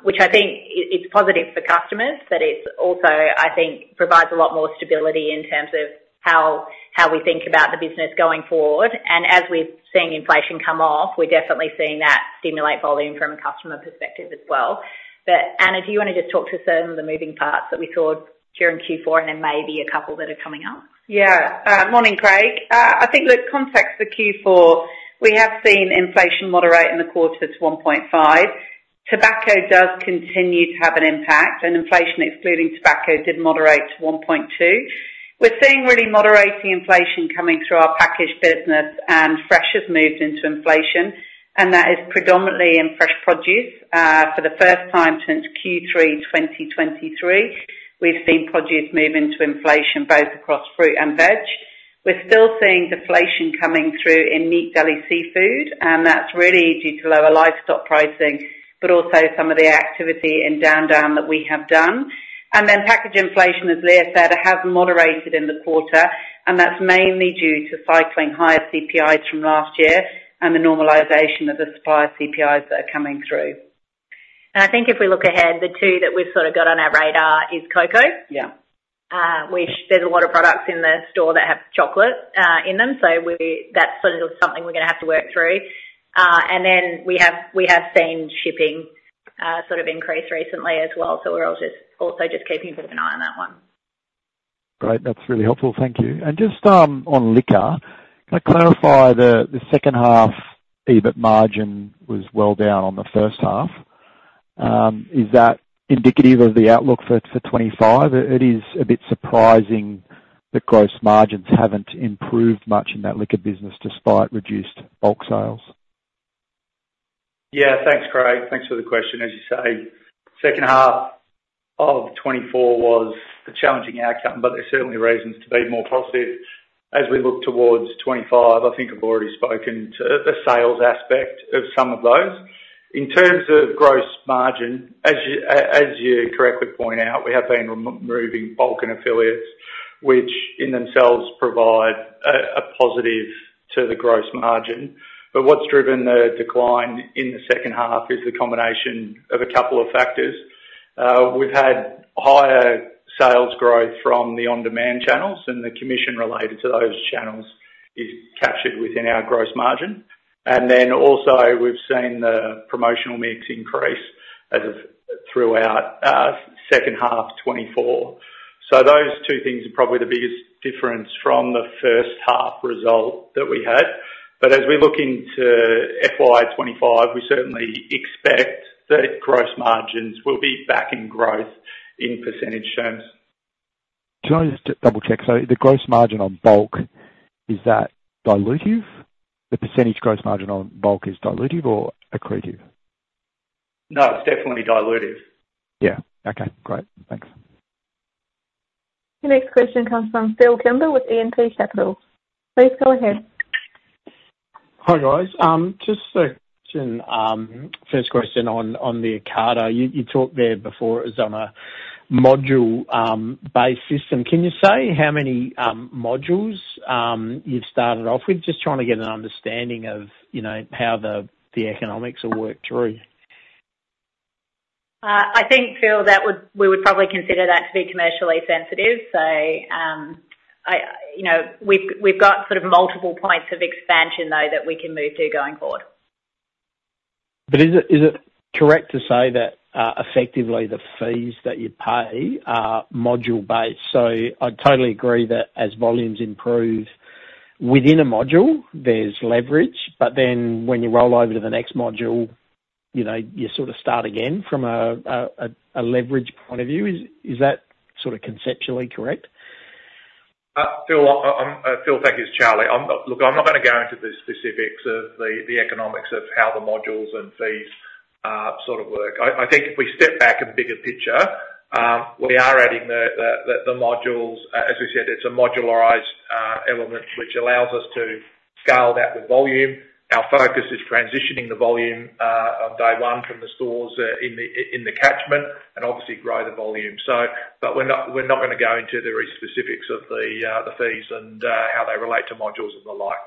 Which I think it's positive for customers, but it's also, I think, provides a lot more stability in terms of how we think about the business going forward, as we've seen inflation come off. We're definitely seeing that stimulate volume from a customer perspective as well. Anna, do you wanna just talk to some of the moving parts that we saw during Q4, and then maybe a couple that are coming up? Yeah. Morning, Craig. I think, look, context for Q4, we have seen inflation moderate in the quarter to 1.5%. Tobacco does continue to have an impact, and inflation, excluding tobacco, did moderate to 1.2%. We're seeing really moderating inflation coming through our packaged business, and fresh has moved into inflation, and that is predominantly in fresh produce. For the first time since Q3 2023, we've seen produce move into inflation, both across fruit and veg. We're still seeing deflation coming through in meat, deli, seafood, and that's really due to lower livestock pricing, but also some of the activity in down that we have done. Then packaged inflation, as Leah said, has moderated in the quarter, and that's mainly due to cycling higher CPIs from last year and the normalization of the supplier CPIs that are coming through. I think if we look ahead, the two that we've sort of got on our radar is cocoa. Yeah. which there's a lot of products in the store that have chocolate in them, so that's sort of something we're gonna have to work through. And then we have seen shipping sort of increase recently as well, so we're all also just keeping an eye on that one.... Great, that's really helpful. Thank you. And just on liquor, can I clarify the second half, EBIT margin was well down on the first half. Is that indicative of the outlook for twenty-five? It is a bit surprising that gross margins haven't improved much in that liquor business despite reduced bulk sales. Yeah, thanks, Craig. Thanks for the question. As you say, second half of 2024 was a challenging outcome, but there's certainly reasons to be more positive as we look towards 2025. I think I've already spoken to the sales aspect of some of those. In terms of gross margin, as you correctly point out, we have been removing bulk and affiliates, which in themselves provide a positive to the gross margin. But what's driven the decline in the second half is the combination of a couple of factors. We've had higher sales growth from the on-demand channels, and the commission related to those channels is captured within our gross margin. And then also, we've seen the promotional mix increase throughout second half 2024. So those two things are probably the biggest difference from the first half result that we had. But as we look into FY 2025, we certainly expect that gross margins will be back in growth in percentage terms. Can I just double-check? So the gross margin on bulk, is that dilutive? The percentage gross margin on bulk is dilutive or accretive? No, it's definitely dilutive. Yeah. Okay, great. Thanks. The next question comes from Phil Kimber with E&P Capital. Please go ahead. Hi, guys. Just a question, first question on the Ocado. You talked there before, it was on a module-based system. Can you say how many modules you've started off with? Just trying to get an understanding of, you know, how the economics are worked through. I think, Phil, we would probably consider that to be commercially sensitive, so I, you know, we've got sort of multiple points of expansion, though, that we can move to going forward. But is it correct to say that effectively the fees that you pay are module-based? So I totally agree that as volumes improve within a module, there's leverage, but then when you roll over to the next module, you know, you sort of start again from a leverage point of view. Is that sort of conceptually correct? Phil, thank you. It's Charlie. Look, I'm not gonna go into the specifics of the economics of how the modules and fees sort of work. I think if we step back in the bigger picture, we are adding the modules. As we said, it's a modularized element, which allows us to scale that with volume. Our focus is transitioning the volume on day one from the stores in the catchment, and obviously grow the volume. But we're not gonna go into the specifics of the fees and how they relate to modules and the like.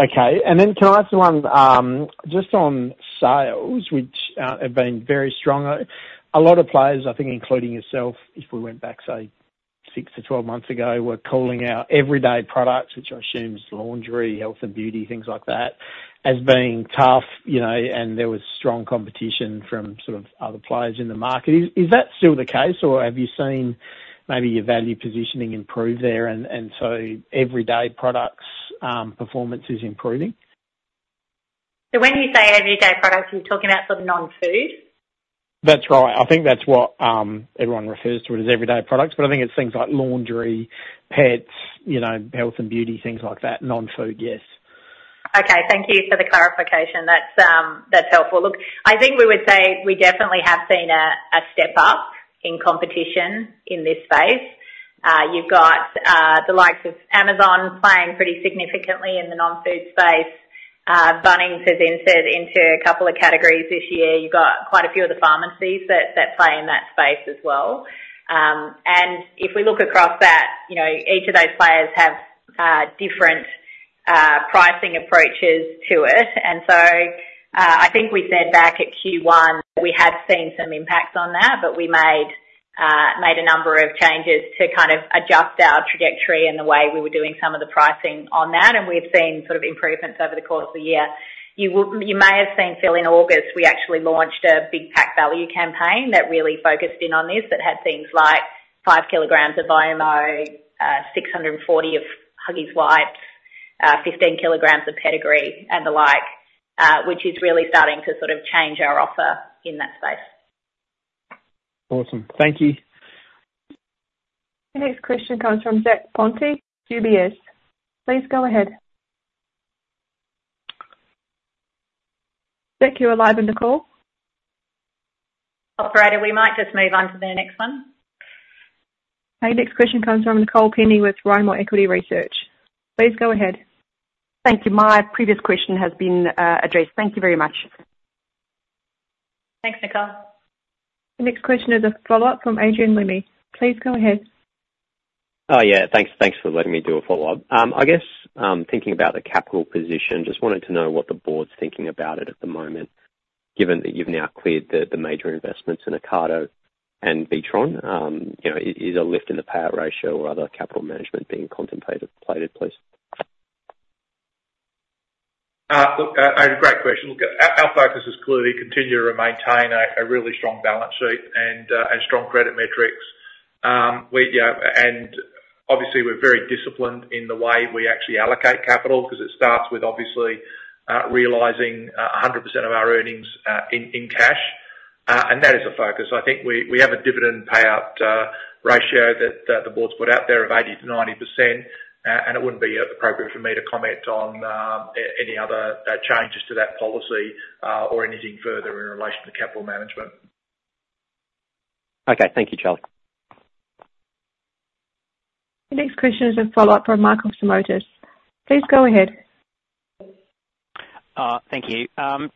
Okay. And then can I ask you one, just on sales, which have been very strong. A lot of players, I think, including yourself, if we went back, say, six to 12 months ago, were calling out everyday products, which I assume is laundry, health and beauty, things like that, as being tough, you know, and there was strong competition from sort of other players in the market. Is that still the case, or have you seen maybe your value positioning improve there, and so everyday products performance is improving? So when you say everyday products, you're talking about sort of non-food? That's right. I think that's what everyone refers to it as everyday products, but I think it's things like laundry, pets, you know, health and beauty, things like that. Non-food, yes. Okay, thank you for the clarification. That's helpful. Look, I think we would say we definitely have seen a step up in competition in this space. You've got the likes of Amazon playing pretty significantly in the non-food space. Bunnings has entered into a couple of categories this year. You've got quite a few of the pharmacies that play in that space as well. And if we look across that, you know, each of those players have different pricing approaches to it. And so, I think we said back at Q1, we had seen some impacts on that, but we made a number of changes to kind of adjust our trajectory and the way we were doing some of the pricing on that, and we've seen sort of improvements over the course of the year. You may have seen, Phil, in August, we actually launched a big pack value campaign that really focused in on this, that had things like 5 kilograms of Omo, 640 of Huggies wipes, 15 kilograms of Pedigree, and the like, which is really starting to sort of change our offer in that space. Awesome. Thank you. The next question comes from Shaun Cousins, UBS. Please go ahead. Shaun, you are live on the call. Operator, we might just move on to the next one. Our next question comes from Nicole Penny with Rimor Equity Research. Please go ahead. Thank you. My previous question has been addressed. Thank you very much. Thanks, Nicole. The next question is a follow-up from Adrian Lemme. Please go ahead. Oh, yeah, thanks for letting me do a follow-up. I guess, thinking about the capital position, just wanted to know what the board's thinking about it at the moment, given that you've now cleared the major investments in Ocado and Witron. You know, is a lift in the payout ratio or other capital management being contemplated, please? ... Look, and great question. Look, our focus is clearly continue to maintain a really strong balance sheet and strong credit metrics. We, and obviously, we're very disciplined in the way we actually allocate capital, 'cause it starts with obviously realizing a hundred percent of our earnings in cash. And that is a focus. I think we have a dividend payout ratio that the board's put out there of 80%-90%. And it wouldn't be appropriate for me to comment on any other changes to that policy or anything further in relation to capital management. Okay, thank you, Charlie. The next question is a follow-up from Michael Simotas. Please go ahead. Thank you.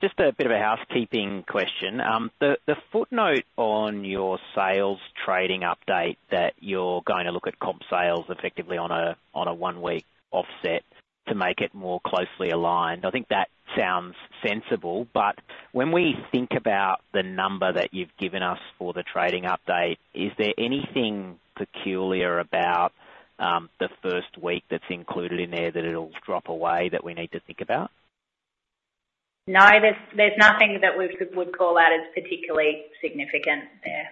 Just a bit of a housekeeping question. The footnote on your sales trading update, that you're going to look at comp sales effectively on a one-week offset to make it more closely aligned. I think that sounds sensible, but when we think about the number that you've given us for the trading update, is there anything peculiar about the first week that's included in there, that it'll drop away, that we need to think about? No, there's nothing that we would call out as particularly significant there.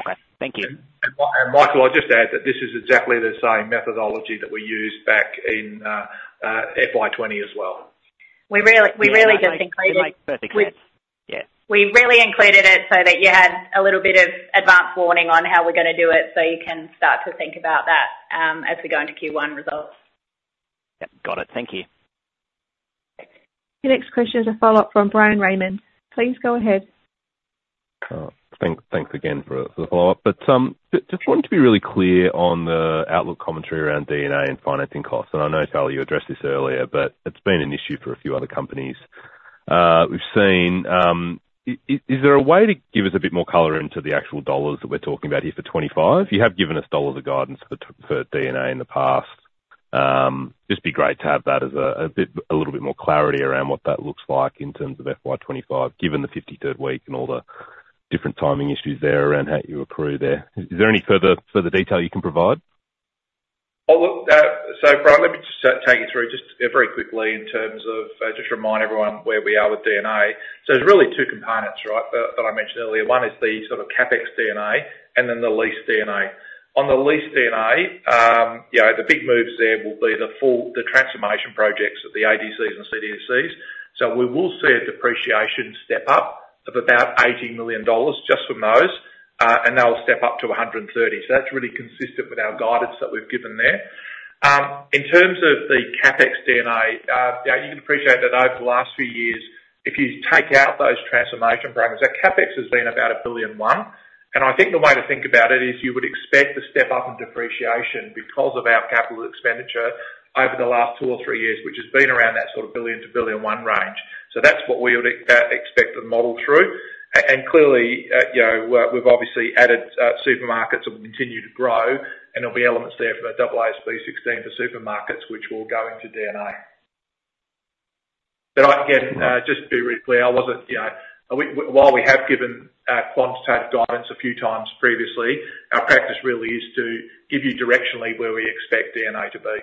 Okay, thank you. Michael, I'll just add that this is exactly the same methodology that we used back in FY 20 as well. We really, we really just included- It makes perfect sense. Yeah. We really included it so that you had a little bit of advanced warning on how we're gonna do it, so you can start to think about that, as we go into Q1 results. Yep, got it. Thank you. Your next question is a follow-up from Bryan Raymond. Please go ahead. Thanks again for the follow-up. But just wanted to be really clear on the outlook commentary around D&A and financing costs, and I know, Charlie, you addressed this earlier, but it's been an issue for a few other companies. Is there a way to give us a bit more color into the actual dollars that we're talking about here for twenty-five? You have given us dollars of guidance for D&A in the past. Just be great to have that as a bit more clarity around what that looks like in terms of FY twenty-five, given the fifty-third week and all the different timing issues there around how you accrue there. Is there any further detail you can provide? Look, so Brian, let me just take you through just very quickly in terms of just remind everyone where we are with D&A. So there's really two components, right, that I mentioned earlier. One is the sort of CapEx D&A, and then the lease D&A. On the lease D&A, you know, the big moves there will be the transformation projects of the ADCs and CFCs. So we will see a depreciation step up of about 80 million dollars just from those, and that will step up to 130. So that's really consistent with our guidance that we've given there. In terms of the CapEx D&A, you know, you can appreciate that over the last few years, if you take out those transformation programs, our CapEx has been about 1.1 billion, and I think the way to think about it is you would expect to step up in depreciation because of our capital expenditure over the last two or three years, which has been around that sort of 1 billion-1.1 billion range. So that's what we would expect to model through. And clearly, you know, we, we've obviously added, supermarkets will continue to grow, and there'll be elements there from our AASB 16 to supermarkets, which will go into D&A. But I, again, just to be really clear, I wasn't, you know, while we have given quantitative guidance a few times previously, our practice really is to give you directionally where we expect D&A to be.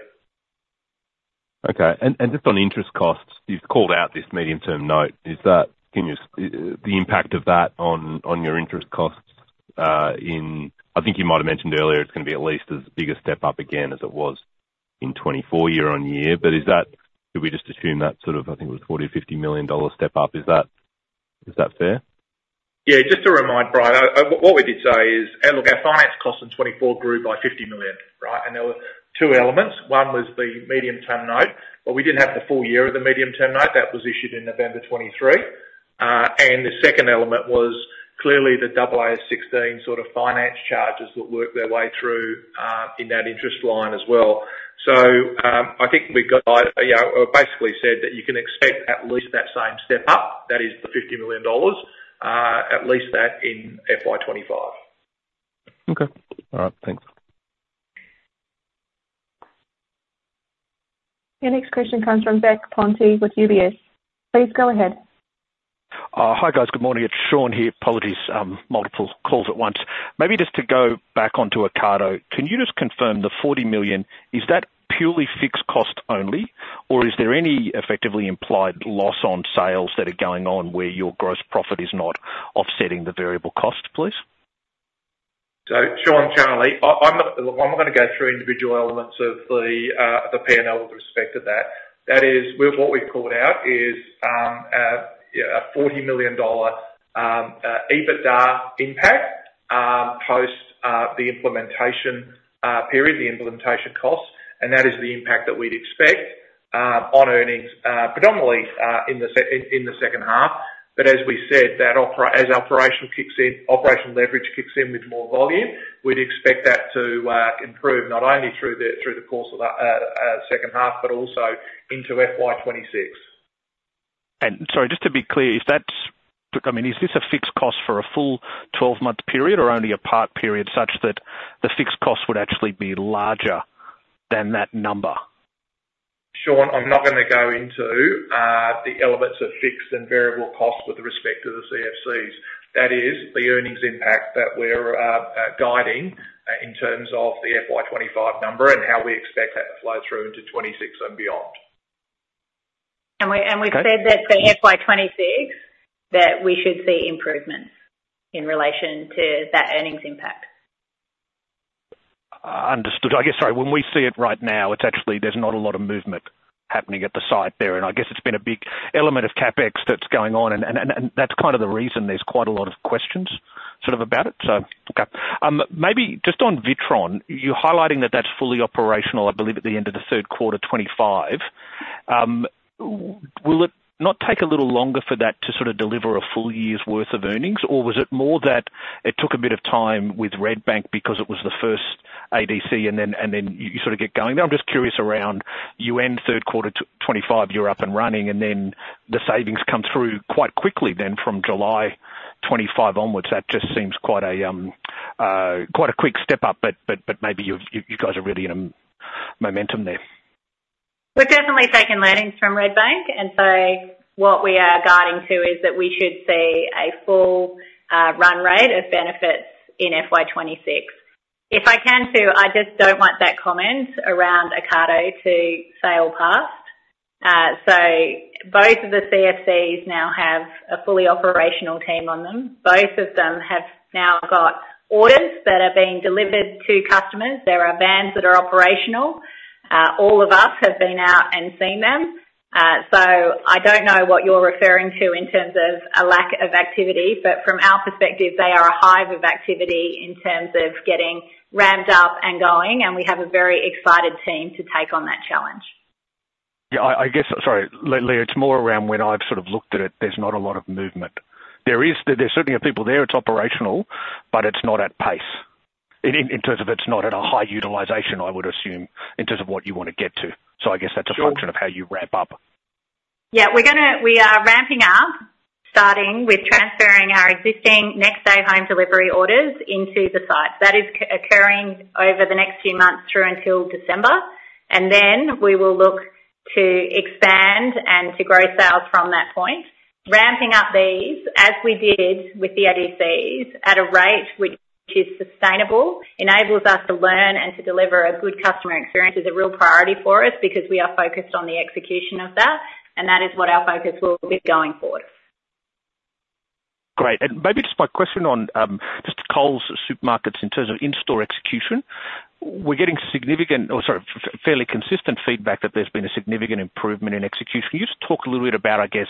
Okay. And just on interest costs, you've called out this medium-term note. Is that the impact of that on your interest costs in. I think you might have mentioned earlier, it's gonna be at least as big a step up again as it was in 2024 year on year. But is that? Did we just assume that sort of, I think it was 40 or 50 million dollar step up, is that fair? Yeah, just to remind, Brian, what we did say is. Look, our finance costs in 2024 grew by 50 million, right? And there were two elements. One was the medium-term note, but we didn't have the full year of the medium-term note, that was issued in November 2023. And the second element was clearly the AASB 16 sort of finance charges that work their way through in that interest line as well. So, I think we've got, you know, basically said that you can expect at least that same step up, that is the 50 million dollars, at least that in FY 2025. Okay. All right, thanks. Your next question comes from Shaun Cousins with UBS. Please go ahead. Hi, guys. Good morning. It's Shaun here. Apologies, multiple calls at once. Maybe just to go back onto Ocado. Can you just confirm the 40 million? Is that purely fixed cost only, or is there any effectively implied loss on sales that are going on, where your gross profit is not offsetting the variable cost, please? So, Shaun, Charlie, I'm not gonna go through individual elements of the P&L with respect to that. That is, with what we've called out is, yeah, a AUD 40 million EBITDA impact, post the implementation period, the implementation costs, and that is the impact that we'd expect on earnings, predominantly in the second half. But as we said, as operational kicks in, operational leverage kicks in with more volume, we'd expect that to improve not only through the course of that second half, but also into FY 2026. Sorry, just to be clear, is that... I mean, is this a fixed cost for a full twelve-month period, or only a part period, such that the fixed cost would actually be larger than that number? Shaun, I'm not gonna go into the elements of fixed and variable costs with respect to the CFCs. That is the earnings impact that we're guiding in terms of the FY twenty-five number and how we expect that to flow through into twenty-six and beyond. ... And we've [crosstalk] said that for FY 2026, we should see improvements in relation to that earnings impact. Understood. I guess, sorry, when we see it right now, it's actually there's not a lot of movement happening at the site there, and I guess it's been a big element of CapEx that's going on, and that's kind of the reason there's quite a lot of questions sort of about it, so okay. Maybe just on Witron, you're highlighting that that's fully operational, I believe, at the end of the third quarter 2025. Will it not take a little longer for that to sort of deliver a full year's worth of earnings? Or was it more that it took a bit of time with Redbank because it was the first ADC, and then you sort of get going? I'm just curious around year-end third quarter FY 2025, you're up and running, and then the savings come through quite quickly then from July 2025 onwards. That just seems quite a quick step up, but maybe you guys are really in a momentum there. We've definitely taken learnings from Redbank, and so what we are guiding to is that we should see a full, run rate of benefits in FY 2026. If I can too, I just don't want that comment around Ocado to sail past. So both of the CFCs now have a fully operational team on them. Both of them have now got orders that are being delivered to customers. There are vans that are operational. All of us have been out and seen them. So I don't know what you're referring to in terms of a lack of activity, but from our perspective, they are a hive of activity in terms of getting ramped up and going, and we have a very excited team to take on that challenge. Yeah, I guess, sorry, Leah, it's more around when I've sort of looked at it, there's not a lot of movement. There certainly are people there, it's operational, but it's not at pace. In terms of it's not at a high utilization, I would assume, in terms of what you wanna get to. So I guess that's a function of how you ramp up. Yeah, we are ramping up, starting with transferring our existing next-day home delivery orders into the site. That is occurring over the next few months through until December, and then we will look to expand and to grow sales from that point. Ramping up these, as we did with the ADCs, at a rate which is sustainable, enables us to learn and to deliver a good customer experience, is a real priority for us because we are focused on the execution of that, and that is what our focus will be going forward. Great. And maybe just my question on just Coles Supermarkets in terms of in-store execution. We're getting significant, or sorry, fairly consistent feedback that there's been a significant improvement in execution. Can you just talk a little bit about, I guess,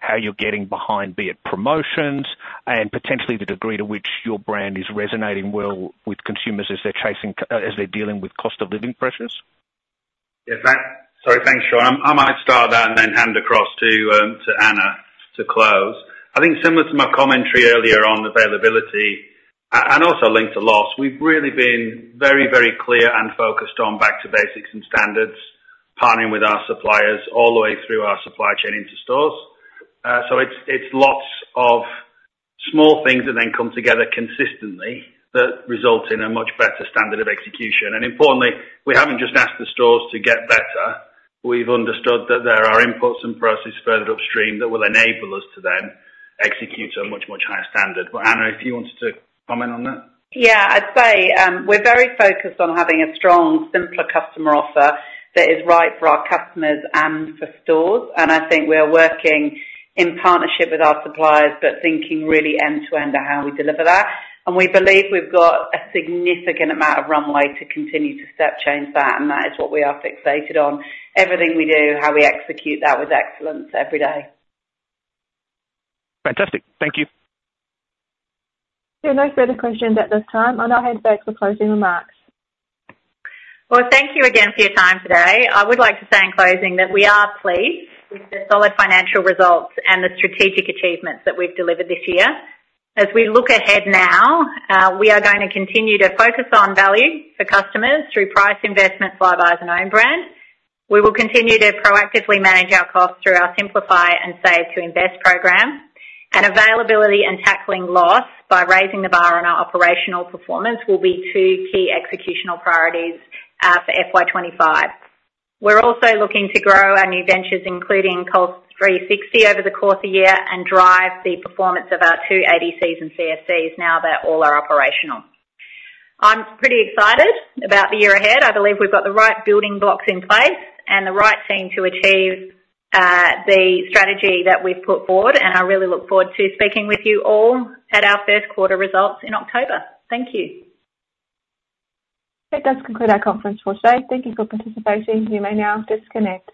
how you're getting behind, be it promotions and potentially the degree to which your brand is resonating well with consumers as they're chasing, as they're dealing with cost of living pressures? Yeah, thanks. Sorry. Thanks, John. I might start that and then hand across to to Anna to close. I think similar to my commentary earlier on availability, and also linked to loss, we've really been very, very clear and focused on back to basics and standards, partnering with our suppliers all the way through our supply chain into stores. So it's lots of small things that then come together consistently that result in a much better standard of execution. And importantly, we haven't just asked the stores to get better, we've understood that there are inputs and processes further upstream that will enable us to then execute to a much, much higher standard. But Anna, if you wanted to comment on that? Yeah, I'd say, we're very focused on having a strong, simpler customer offer that is right for our customers and for stores. I think we're working in partnership with our suppliers, but thinking really end-to-end on how we deliver that. We believe we've got a significant amount of runway to continue to step change that, and that is what we are fixated on. Everything we do, how we execute that with excellence every day. Fantastic. Thank you. There are no further questions at this time. I now hand back for closing remarks. Thank you again for your time today. I would like to say in closing that we are pleased with the solid financial results and the strategic achievements that we've delivered this year. As we look ahead now, we are going to continue to focus on value for customers through price investments, Flybuys and own brands. We will continue to proactively manage our costs through our Simplify and Save to Invest program. Availability and tackling loss by raising the bar on our operational performance will be two key executional priorities for FY twenty-five. We're also looking to grow our new ventures, including Coles 360, over the course of the year and drive the performance of our two ADCs and CFCs now that all are operational. I'm pretty excited about the year ahead. I believe we've got the right building blocks in place and the right team to achieve the strategy that we've put forward, and I really look forward to speaking with you all at our first quarter results in October. Thank you. That does conclude our conference for today. Thank you for participating. You may now disconnect.